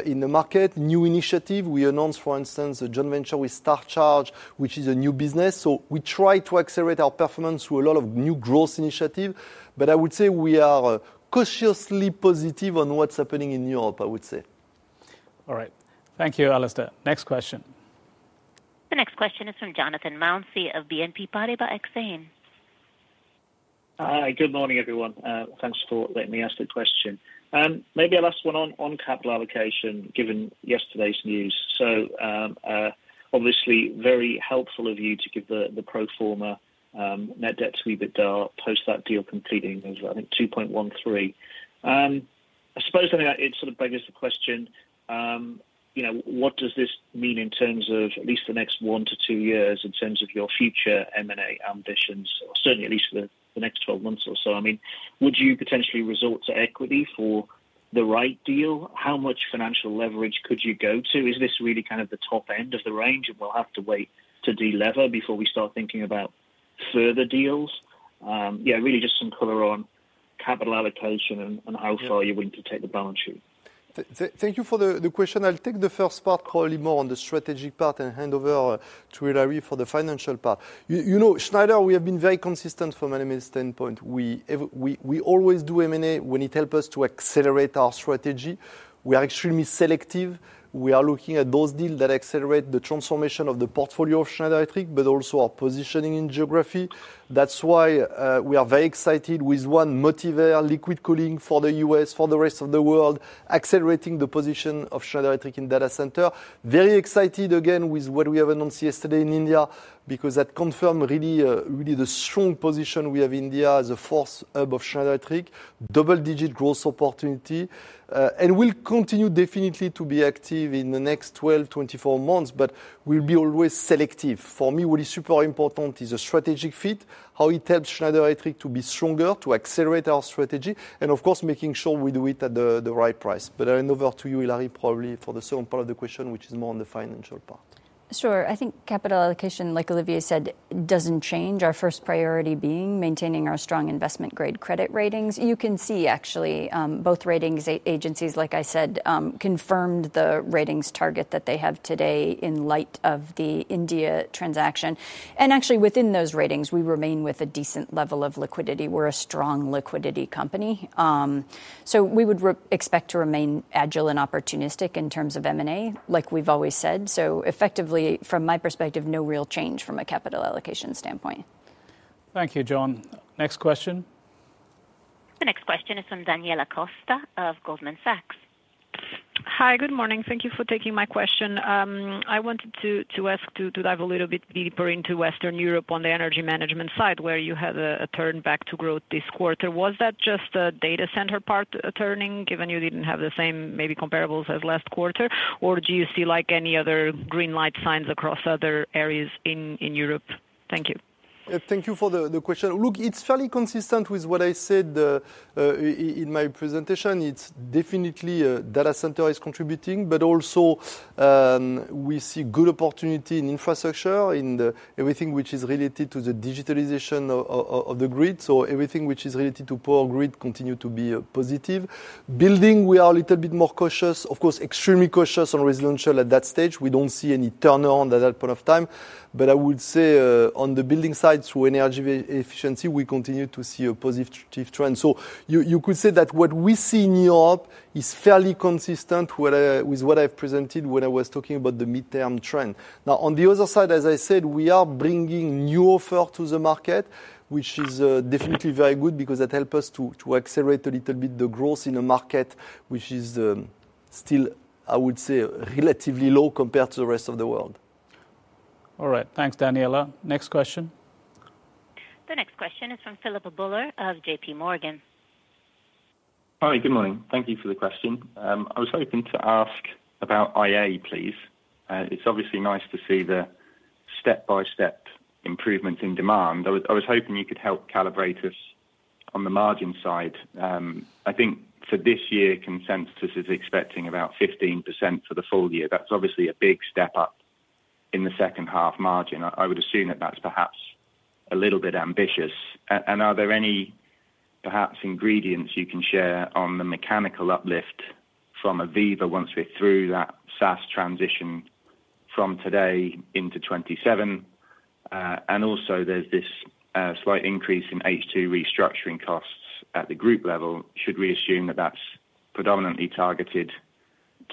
[SPEAKER 3] in the market, new initiative. We announced, for instance, a joint venture with StarCharge, which is a new business. We try to accelerate our performance through a lot of new growth initiatives, but I would say we are cautiously positive on what's happening in Europe, I would say.
[SPEAKER 2] All right. Thank you, Alasdair. Next question.
[SPEAKER 1] The next question is from Jonathan Mounsey of BNP Paribas Exane.
[SPEAKER 8] Hi, good morning, everyone. Thanks for letting me ask the question. Maybe I'll ask one on capital allocation given yesterday's news. Obviously very helpful of you to give the pro forma net debt to EBITDA post that deal completing is, I think, 2.13. I suppose it sort of beggars the question. What does this mean in terms of at least the next one to two years in terms of your future M&A ambitions, certainly at least for the next 12 months or so? I mean, would you potentially resort to equity for the right deal? How much financial leverage could you go to? Is this really kind of the top end of the range and we'll have to wait to delever before we start thinking about further deals? Really just some color on capital allocation and how far you want to take the balance sheet.
[SPEAKER 3] Thank you for the question. I'll take the first part, probably more on the strategic part, and hand over to Hilary for the financial part. Schneider Electric, we have been very consistent from an M&A standpoint. We always do M&A when it helps us to accelerate our strategy. We are extremely selective. We are looking at those deals that accelerate the transformation of the portfolio of Schneider Electric, but also our positioning in geography. That's why we are very excited with one Motivair, liquid cooling for the U.S., for the rest of the world, accelerating the position of Schneider Electric in Data Center. Very excited again with what we have announced yesterday in India because that confirmed really the strong position we have in India as a fourth hub of Schneider Electric, double-digit growth opportunity. We'll continue definitely to be active in the next 12, 24 months, but we'll be always selective. For me, what is super important is a strategic fit, how it helps Schneider Electric to be stronger, to accelerate our strategy, and of course, making sure we do it at the right price. I'll hand over to you, Hilary, probably for the second part of the question, which is more on the financial part.
[SPEAKER 4] Sure. I think capital allocation, like Olivier said, doesn't change. Our first priority being maintaining our strong investment-grade credit ratings. You can see actually both rating agencies, like I said, confirmed the ratings target that they have today in light of the India transaction. Actually, within those ratings, we remain with a decent level of liquidity. We're a strong liquidity company. We would expect to remain agile and opportunistic in terms of M&A, like we've always said. Effectively, from my perspective, no real change from a capital allocation standpoint.
[SPEAKER 2] Thank you, John. Next question.
[SPEAKER 1] The next question is from Daniela Costa of Goldman Sachs.
[SPEAKER 9] Hi, good morning. Thank you for taking my question. I wanted to ask to dive a little bit deeper into Western Europe on the Energy Management side where you had a turn back to growth this quarter. Was that just a Data Center part turning, given you didn't have the same maybe comparables as last quarter, or do you see any other green light signs across other areas in Europe? Thank you.
[SPEAKER 3] Thank you for the question. Look, it's fairly consistent with what I said. In my presentation, it's definitely Data Center is contributing, but also we see good opportunity in infrastructure, in everything which is related to the digitalization of the grid. Everything which is related to power grid continues to be positive. Building, we are a little bit more cautious, of course, extremely cautious on residential at that stage. We don't see any turnaround at that point of time. I would say on the building side, through energy efficiency, we continue to see a positive trend. You could say that what we see in Europe is fairly consistent with what I've presented when I was talking about the midterm trend. Now, on the other side, as I said, we are bringing new offer to the market, which is definitely very good because that helps us to accelerate a little bit the growth in a market which is still, I would say, relatively low compared to the rest of the world.
[SPEAKER 2] All right. Thanks, Daniela. Next question.
[SPEAKER 1] The next question is from Phil Buller of J.P. Morgan.
[SPEAKER 10] Hi, good morning. Thank you for the question. I was hoping to ask about IA, please. It's obviously nice to see the step-by-step improvements in demand. I was hoping you could help calibrate us on the margin side. I think for this year, consensus is expecting about 15% for the full year. That's obviously a big step up in the second-half margin. I would assume that that's perhaps a little bit ambitious. Are there any perhaps ingredients you can share on the mechanical uplift from AVEVA once we're through that subscription model transition from today into 2027? Also, there's this slight increase in H2 restructuring costs at the group level. Should we assume that that's predominantly targeted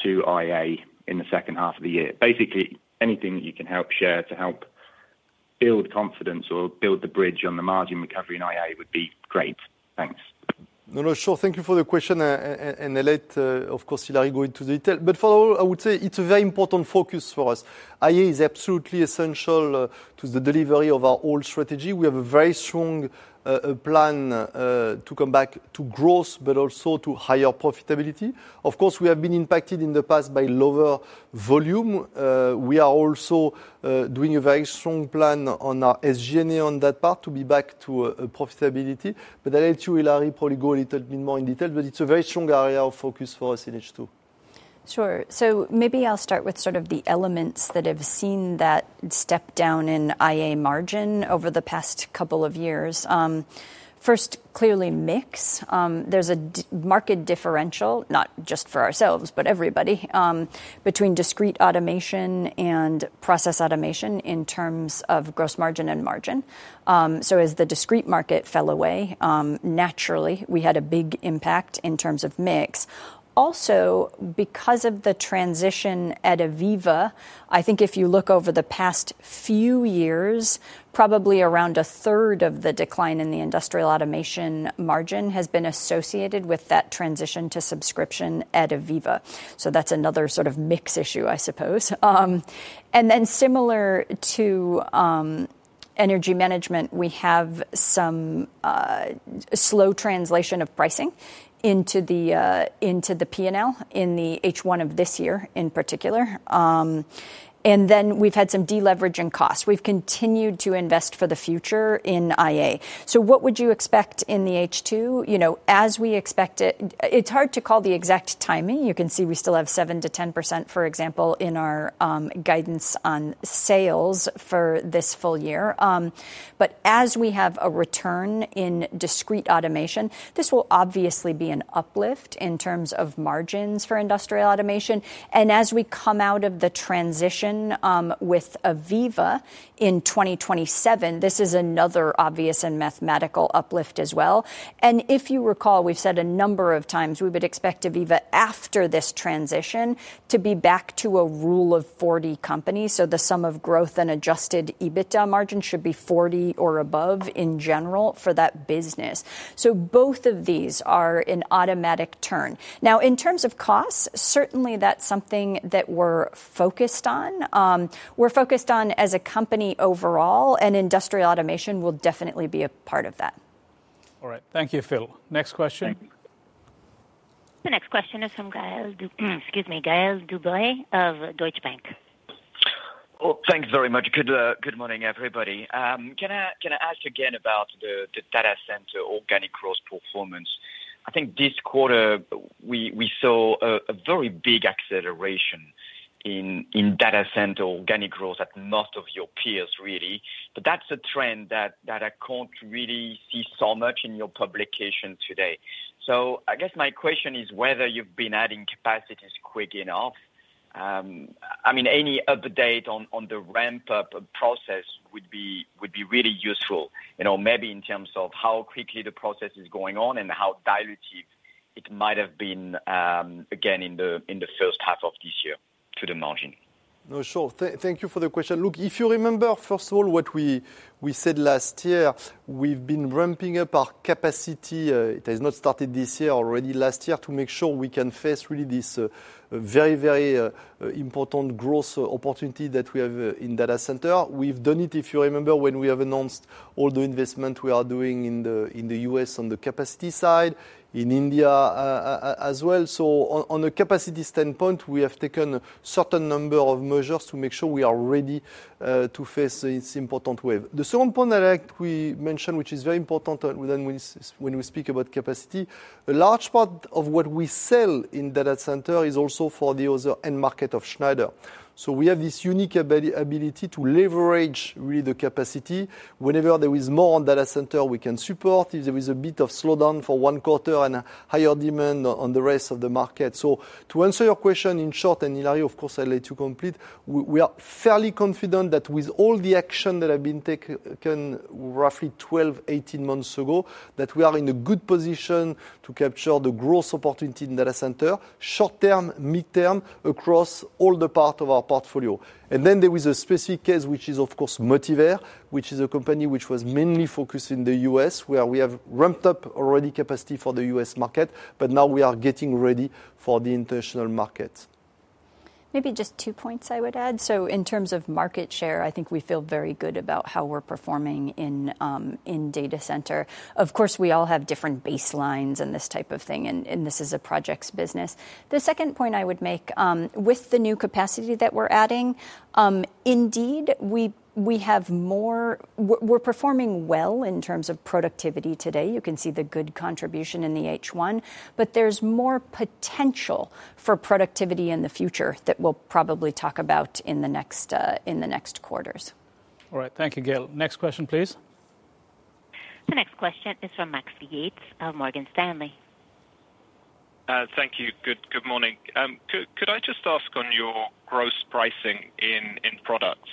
[SPEAKER 10] to IA in the second half of the year? Basically, anything that you can help share to help build confidence or build the bridge on the margin recovery in IA would be great. Thanks.
[SPEAKER 3] No, no, sure. Thank you for the question. I'll let, of course, Hilary go into detail. For all, I would say it's a very important focus for us. IA is absolutely essential to the delivery of our old strategy. We have a very strong plan to come back to growth, but also to higher profitability. Of course, we have been impacted in the past by lower volume. We are also doing a very strong plan on our SG&A on that part to be back to profitability. I'll let you, Hilary, probably go a little bit more in detail, but it's a very strong area of focus for us in H2.
[SPEAKER 4] Sure. Maybe I'll start with sort of the elements that have seen that step down in IA margin over the past couple of years. First, clearly, mix. There's a market differential, not just for ourselves, but everybody, between discrete automation and process automation in terms of gross margin and margin. As the discrete market fell away, we had a big impact in terms of mix. Also, because of the transition at AVEVA, I think if you look over the past few years, probably around a third of the decline in the industrial automation margin has been associated with that transition to subscription at AVEVA. That's another sort of mix issue, I suppose. Similar to energy management, we have some slow translation of pricing into the P&L in the H1 of this year in particular. We've had some deleveraging costs. We've continued to invest for the future in IA. What would you expect in the H2? As we expect it, it's hard to call the exact timing. You can see we still have 7% to 10%, for example, in our guidance on sales for this full year. As we have a return in discrete automation, this will obviously be an uplift in terms of margins for industrial automation. As we come out of the transition with AVEVA in 2027, this is another obvious and mathematical uplift as well. If you recall, we've said a number of times we would expect AVEVA after this transition to be back to a rule of 40 company. The sum of growth and adjusted EBITDA margin should be 40% or above in general for that business. Both of these are an automatic turn. In terms of costs, certainly that's something that we're focused on. We're focused on as a company overall, and industrial automation will definitely be a part of that.
[SPEAKER 2] All right. Thank you, Phil. Next question.
[SPEAKER 1] The next question is from Gaël De Bray of Deutsche Bank.
[SPEAKER 11] Oh, thanks very much. Good morning, everybody. Can I ask again about the data center organic growth performance? I think this quarter we saw a very big acceleration in data center organic growth at most of your peers, really. That's a trend that I can't really see so much in your publication today. I guess my question is whether you've been adding capacities quick enough. Any update on the ramp-up process would be really useful, maybe in terms of how quickly the process is going on and how diluted it might have been again in the first half of this year to the margin.
[SPEAKER 3] No, sure. Thank you for the question. Look, if you remember, first of all, what we said last year, we've been ramping up our capacity. It has not started this year, already last year, to make sure we can face really this very, very important growth opportunity that we have in Data Center. We've done it, if you remember, when we have announced all the investment we are doing in the U.S. on the capacity side, in India as well. On a capacity standpoint, we have taken a certain number of measures to make sure we are ready to face this important wave. The second point that I like to mention, which is very important when we speak about capacity, a large part of what we sell in Data Center is also for the other end market of Schneider Electric. We have this unique ability to leverage really the capacity. Whenever there is more on Data Center, we can support. If there is a bit of slowdown for one quarter and higher demand on the rest of the market. To answer your question in short, and Hilary, of course, I'll let you complete, we are fairly confident that with all the action that have been taken roughly 12, 18 months ago, we are in a good position to capture the growth opportunity in Data Center, short term, midterm, across all the parts of our portfolio. There was a specific case, which is, of course, Motivair, which is a company which was mainly focused in the U.S., where we have ramped up already capacity for the U.S. market, but now we are getting ready for the international market.
[SPEAKER 4] Maybe just two points I would add. In terms of market share, I think we feel very good about how we're performing in Data Center. Of course, we all have different baselines and this type of thing, and this is a projects business. The second point I would make, with the new capacity that we're adding. Indeed, we have more. We're performing well in terms of productivity today. You can see the good contribution in the H1, but there's more potential for productivity in the future that we'll probably talk about in the next quarters.
[SPEAKER 2] All right. Thank you, Gaël. Next question, please.
[SPEAKER 1] The next question is from Max Yates of Morgan Stanley.
[SPEAKER 12] Thank you. Good morning. Could I just ask on your gross pricing in products?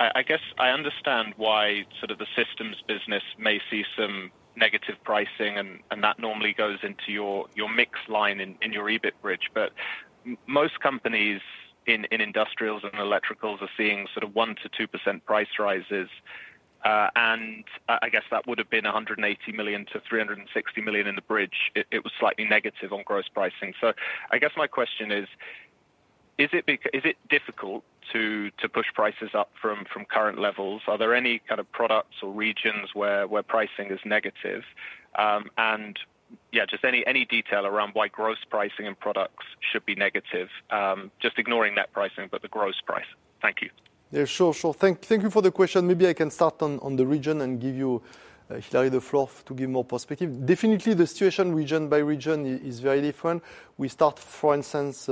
[SPEAKER 12] I guess I understand why sort of the systems business may see some negative pricing, and that normally goes into your mix line in your EBIT bridge. Most companies in industrials and electricals are seeing sort of 1% to 2% price rises. I guess that would have been $180 million to $360 million in the bridge. It was slightly negative on gross pricing. I guess my question is, is it difficult to push prices up from current levels? Are there any kind of products or regions where pricing is negative? Any detail around why gross pricing in products should be negative, just ignoring net pricing, but the gross price. Thank you.
[SPEAKER 3] Yeah, sure, sure. Thank you for the question. Maybe I can start on the region and give you, Hilary, the floor to give more perspective. Definitely, the situation region by region is very different. We start, for instance,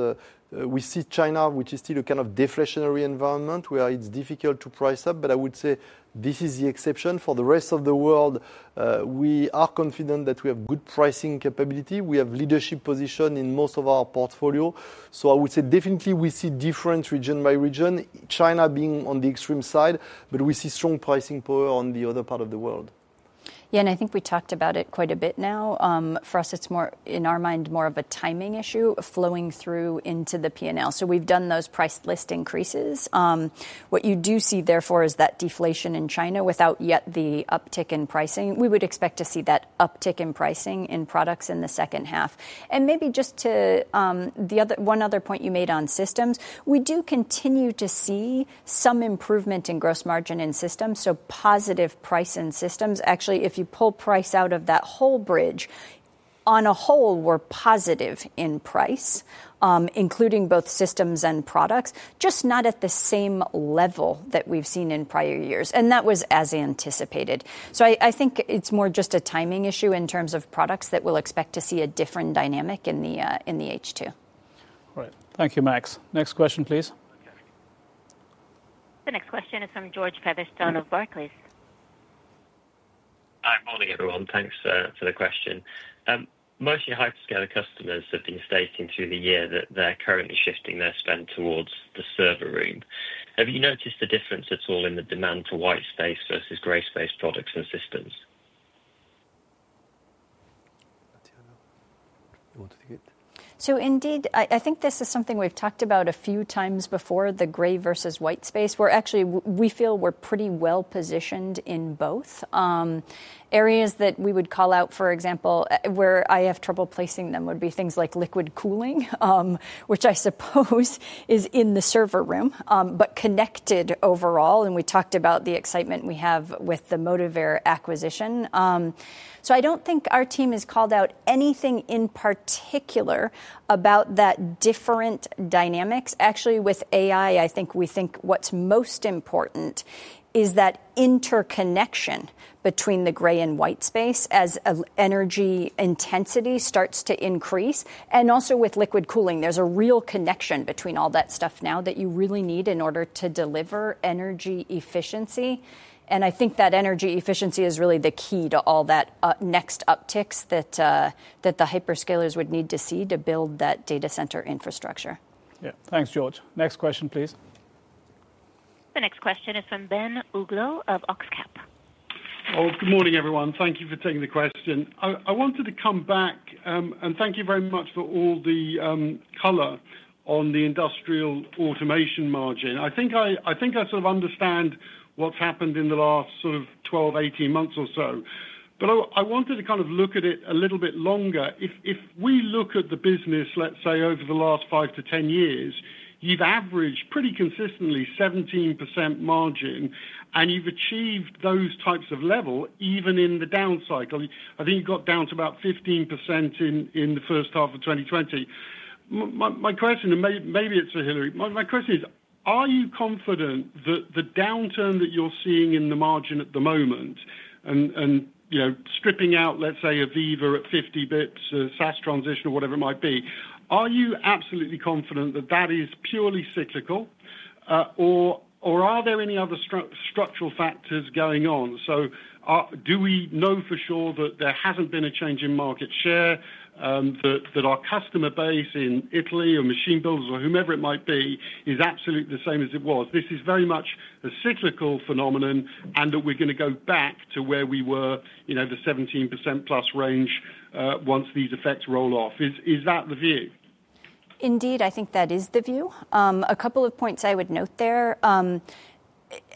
[SPEAKER 3] we see China, which is still a kind of deflationary environment where it's difficult to price up. I would say this is the exception. For the rest of the world, we are confident that we have good pricing capability. We have leadership position in most of our portfolio. I would say definitely we see difference region by region, China being on the extreme side, but we see strong pricing power on the other part of the world.
[SPEAKER 4] Yeah, I think we talked about it quite a bit now. For us, it's more, in our mind, more of a timing issue flowing through into the P&L. We've done those price list increases. What you do see, therefore, is that deflation in China without yet the uptick in pricing. We would expect to see that uptick in pricing in products in the second half. The other one other point you made on systems, we do continue to see some improvement in gross margin in systems. Positive price in systems. Actually, if you pull price out of that whole bridge, on a whole, we're positive in price, including both systems and products, just not at the same level that we've seen in prior years. That was as anticipated. I think it's more just a timing issue in terms of products that we'll expect to see a different dynamic in the H2.
[SPEAKER 2] All right. Thank you, Max. Next question, please.
[SPEAKER 1] The next question is from George Featherstone of Barclays.
[SPEAKER 13] Hi, morning, everyone. Thanks for the question. Most of your hyperscaler customers have been stating through the year that they're currently shifting their spend towards the server room. Have you noticed a difference at all in the demand for white space versus gray space products and systems?
[SPEAKER 4] Indeed, I think this is something we've talked about a few times before, the gray versus white space. We're actually, we feel we're pretty well positioned in both. Areas that we would call out, for example, where I have trouble placing them would be things like liquid cooling, which I suppose is in the server room, but connected overall. We talked about the excitement we have with the Motivair acquisition. I don't think our team has called out anything in particular about that different dynamics. Actually, with AI, I think we think what's most important is that interconnection between the gray and white space as energy intensity starts to increase. Also, with liquid cooling, there's a real connection between all that stuff now that you really need in order to deliver energy efficiency. I think that energy efficiency is really the key to all that next upticks that the hyperscalers would need to see to build that data center infrastructure.
[SPEAKER 2] Yeah. Thanks, George. Next question, please.
[SPEAKER 1] The next question is from Ben Uglow of Oxcap.
[SPEAKER 14] Oh, good morning, everyone. Thank you for taking the question. I wanted to come back and thank you very much for all the color on the industrial automation margin. I think I sort of understand what's happened in the last sort of 12, 18 months or so. I wanted to kind of look at it a little bit longer. If we look at the business, let's say, over the last 5 to 10 years, you've averaged pretty consistently 17% margin, and you've achieved those types of level even in the down cycle. I think you got down to about 15% in the first half of 2020. My question, and maybe it's for Hilary, my question is, are you confident that the downturn that you're seeing in the margin at the moment, and stripping out, let's say, AVEVA at 50 bps or SaaS transition or whatever it might be, are you absolutely confident that that is purely cyclical? Are there any other structural factors going on? Do we know for sure that there hasn't been a change in market share, that our customer base in Italy or machine builders or whomever it might be is absolutely the same as it was? This is very much a cyclical phenomenon and that we're going to go back to where we were, the 17% plus range once these effects roll off. Is that the view?
[SPEAKER 4] Indeed, I think that is the view. A couple of points I would note there.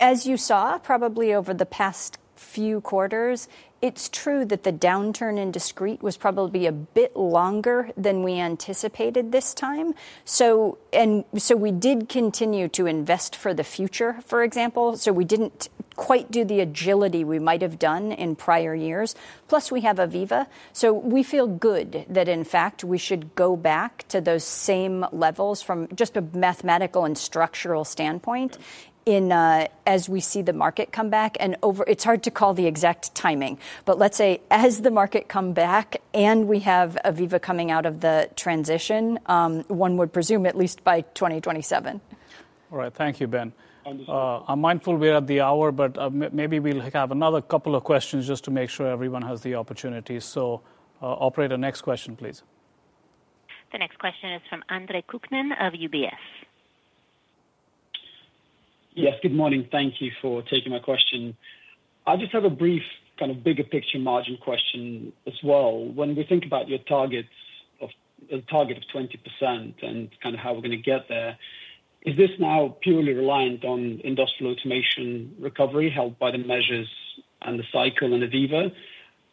[SPEAKER 4] As you saw, probably over the past few quarters, it's true that the downturn in discrete was probably a bit longer than we anticipated this time. We did continue to invest for the future, for example. We didn't quite do the agility we might have done in prior years. Plus, we have AVEVA. We feel good that, in fact, we should go back to those same levels from just a mathematical and structural standpoint as we see the market come back. It's hard to call the exact timing, but let's say as the market comes back and we have AVEVA coming out of the transition, one would presume at least by 2027.
[SPEAKER 2] All right. Thank you, Ben. I'm mindful we're at the hour, but maybe we'll have another couple of questions just to make sure everyone has the opportunity. Operator, next question, please.
[SPEAKER 1] The next question is from Andre Kukhnin of UBS.
[SPEAKER 15] Yes, good morning. Thank you for taking my question. I just have a brief kind of bigger picture margin question as well. When we think about your target of 20% and kind of how we're going to get there, is this now purely reliant on industrial automation recovery held by the measures and the cycle and AVEVA,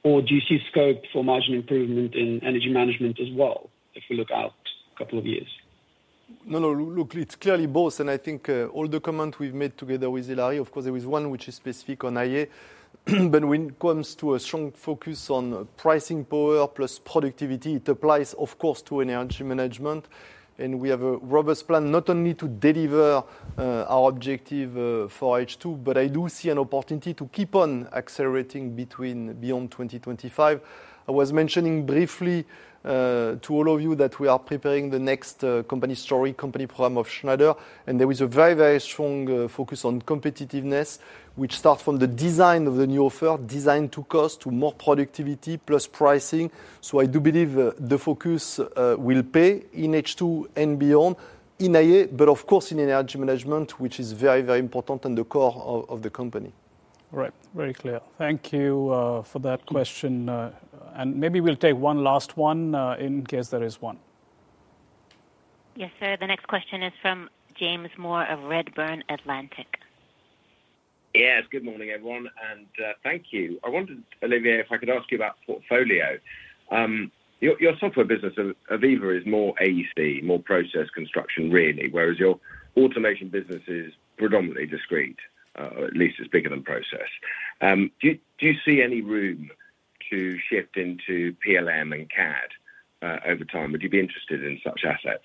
[SPEAKER 15] or do you see scope for margin improvement in energy management as well if we look out a couple of years?
[SPEAKER 3] No, no. Look, it's clearly both. I think all the comments we've made together with Hilary, of course, there was one which is specific on AI, but when it comes to a strong focus on pricing power plus productivity, it applies, of course, to energy management. We have a robust plan not only to deliver our objective for H2, but I do see an opportunity to keep on accelerating beyond 2025. I was mentioning briefly to all of you that we are preparing the next company story, company program of Schneider Electric, and there was a very, very strong focus on competitiveness, which starts from the design of the new offer, design to cost, to more productivity plus pricing. I do believe the focus will pay in H2 and beyond in AI, but of course in energy management, which is very, very important and the core of the company.
[SPEAKER 2] All right. Very clear. Thank you for that question. Maybe we'll take one last one in case there is one.
[SPEAKER 1] Yes, sir. The next question is from James Moore of Redburn Atlantic.
[SPEAKER 16] Yes, good morning, everyone. Thank you. I wondered, Olivier, if I could ask you about portfolio. Your software business, AVEVA, is more AEC, more process construction, really, whereas your automation business is predominantly discrete, or at least it's bigger than process. Do you see any room to shift into PLM and CAD over time? Would you be interested in such assets?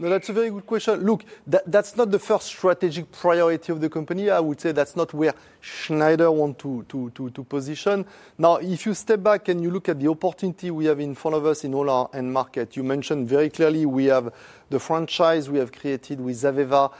[SPEAKER 3] No, that's a very good question. Look, that's not the first strategic priority of the company. I would say that's not where Schneider Electric wants to position. Now, if you step back and you look at the opportunity we have in front of us in all our end market, you mentioned very clearly we have the franchise we have created with AVEVA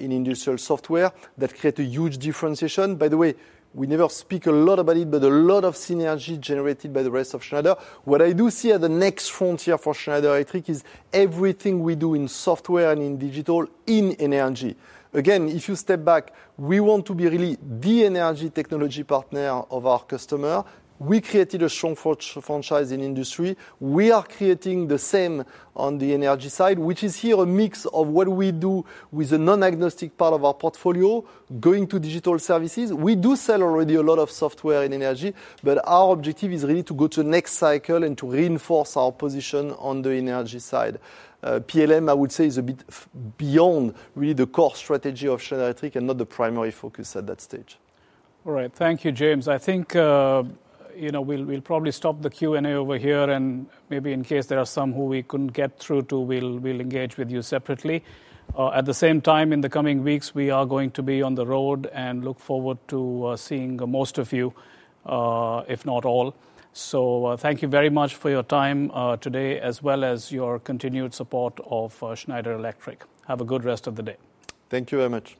[SPEAKER 3] in industrial software that creates a huge differentiation. By the way, we never speak a lot about it, but a lot of synergy generated by the rest of Schneider Electric. What I do see at the next frontier for Schneider Electric is everything we do in software and in digital in energy. Again, if you step back, we want to be really the energy technology partner of our customer. We created a strong franchise in industry. We are creating the same on the energy side, which is here a mix of what we do with a non-agnostic part of our portfolio going to digital services. We do sell already a lot of software in energy, but our objective is really to go to the next cycle and to reinforce our position on the energy side. PLM, I would say, is a bit beyond really the core strategy of Schneider Electric and not the primary focus at that stage.
[SPEAKER 2] All right. Thank you, James. I think we'll probably stop the Q&A over here. Maybe in case there are some who we couldn't get through to, we'll engage with you separately. At the same time, in the coming weeks, we are going to be on the road and look forward to seeing most of you, if not all. Thank you very much for your time today, as well as your continued support of Schneider Electric. Have a good rest of the day. Thank you very much.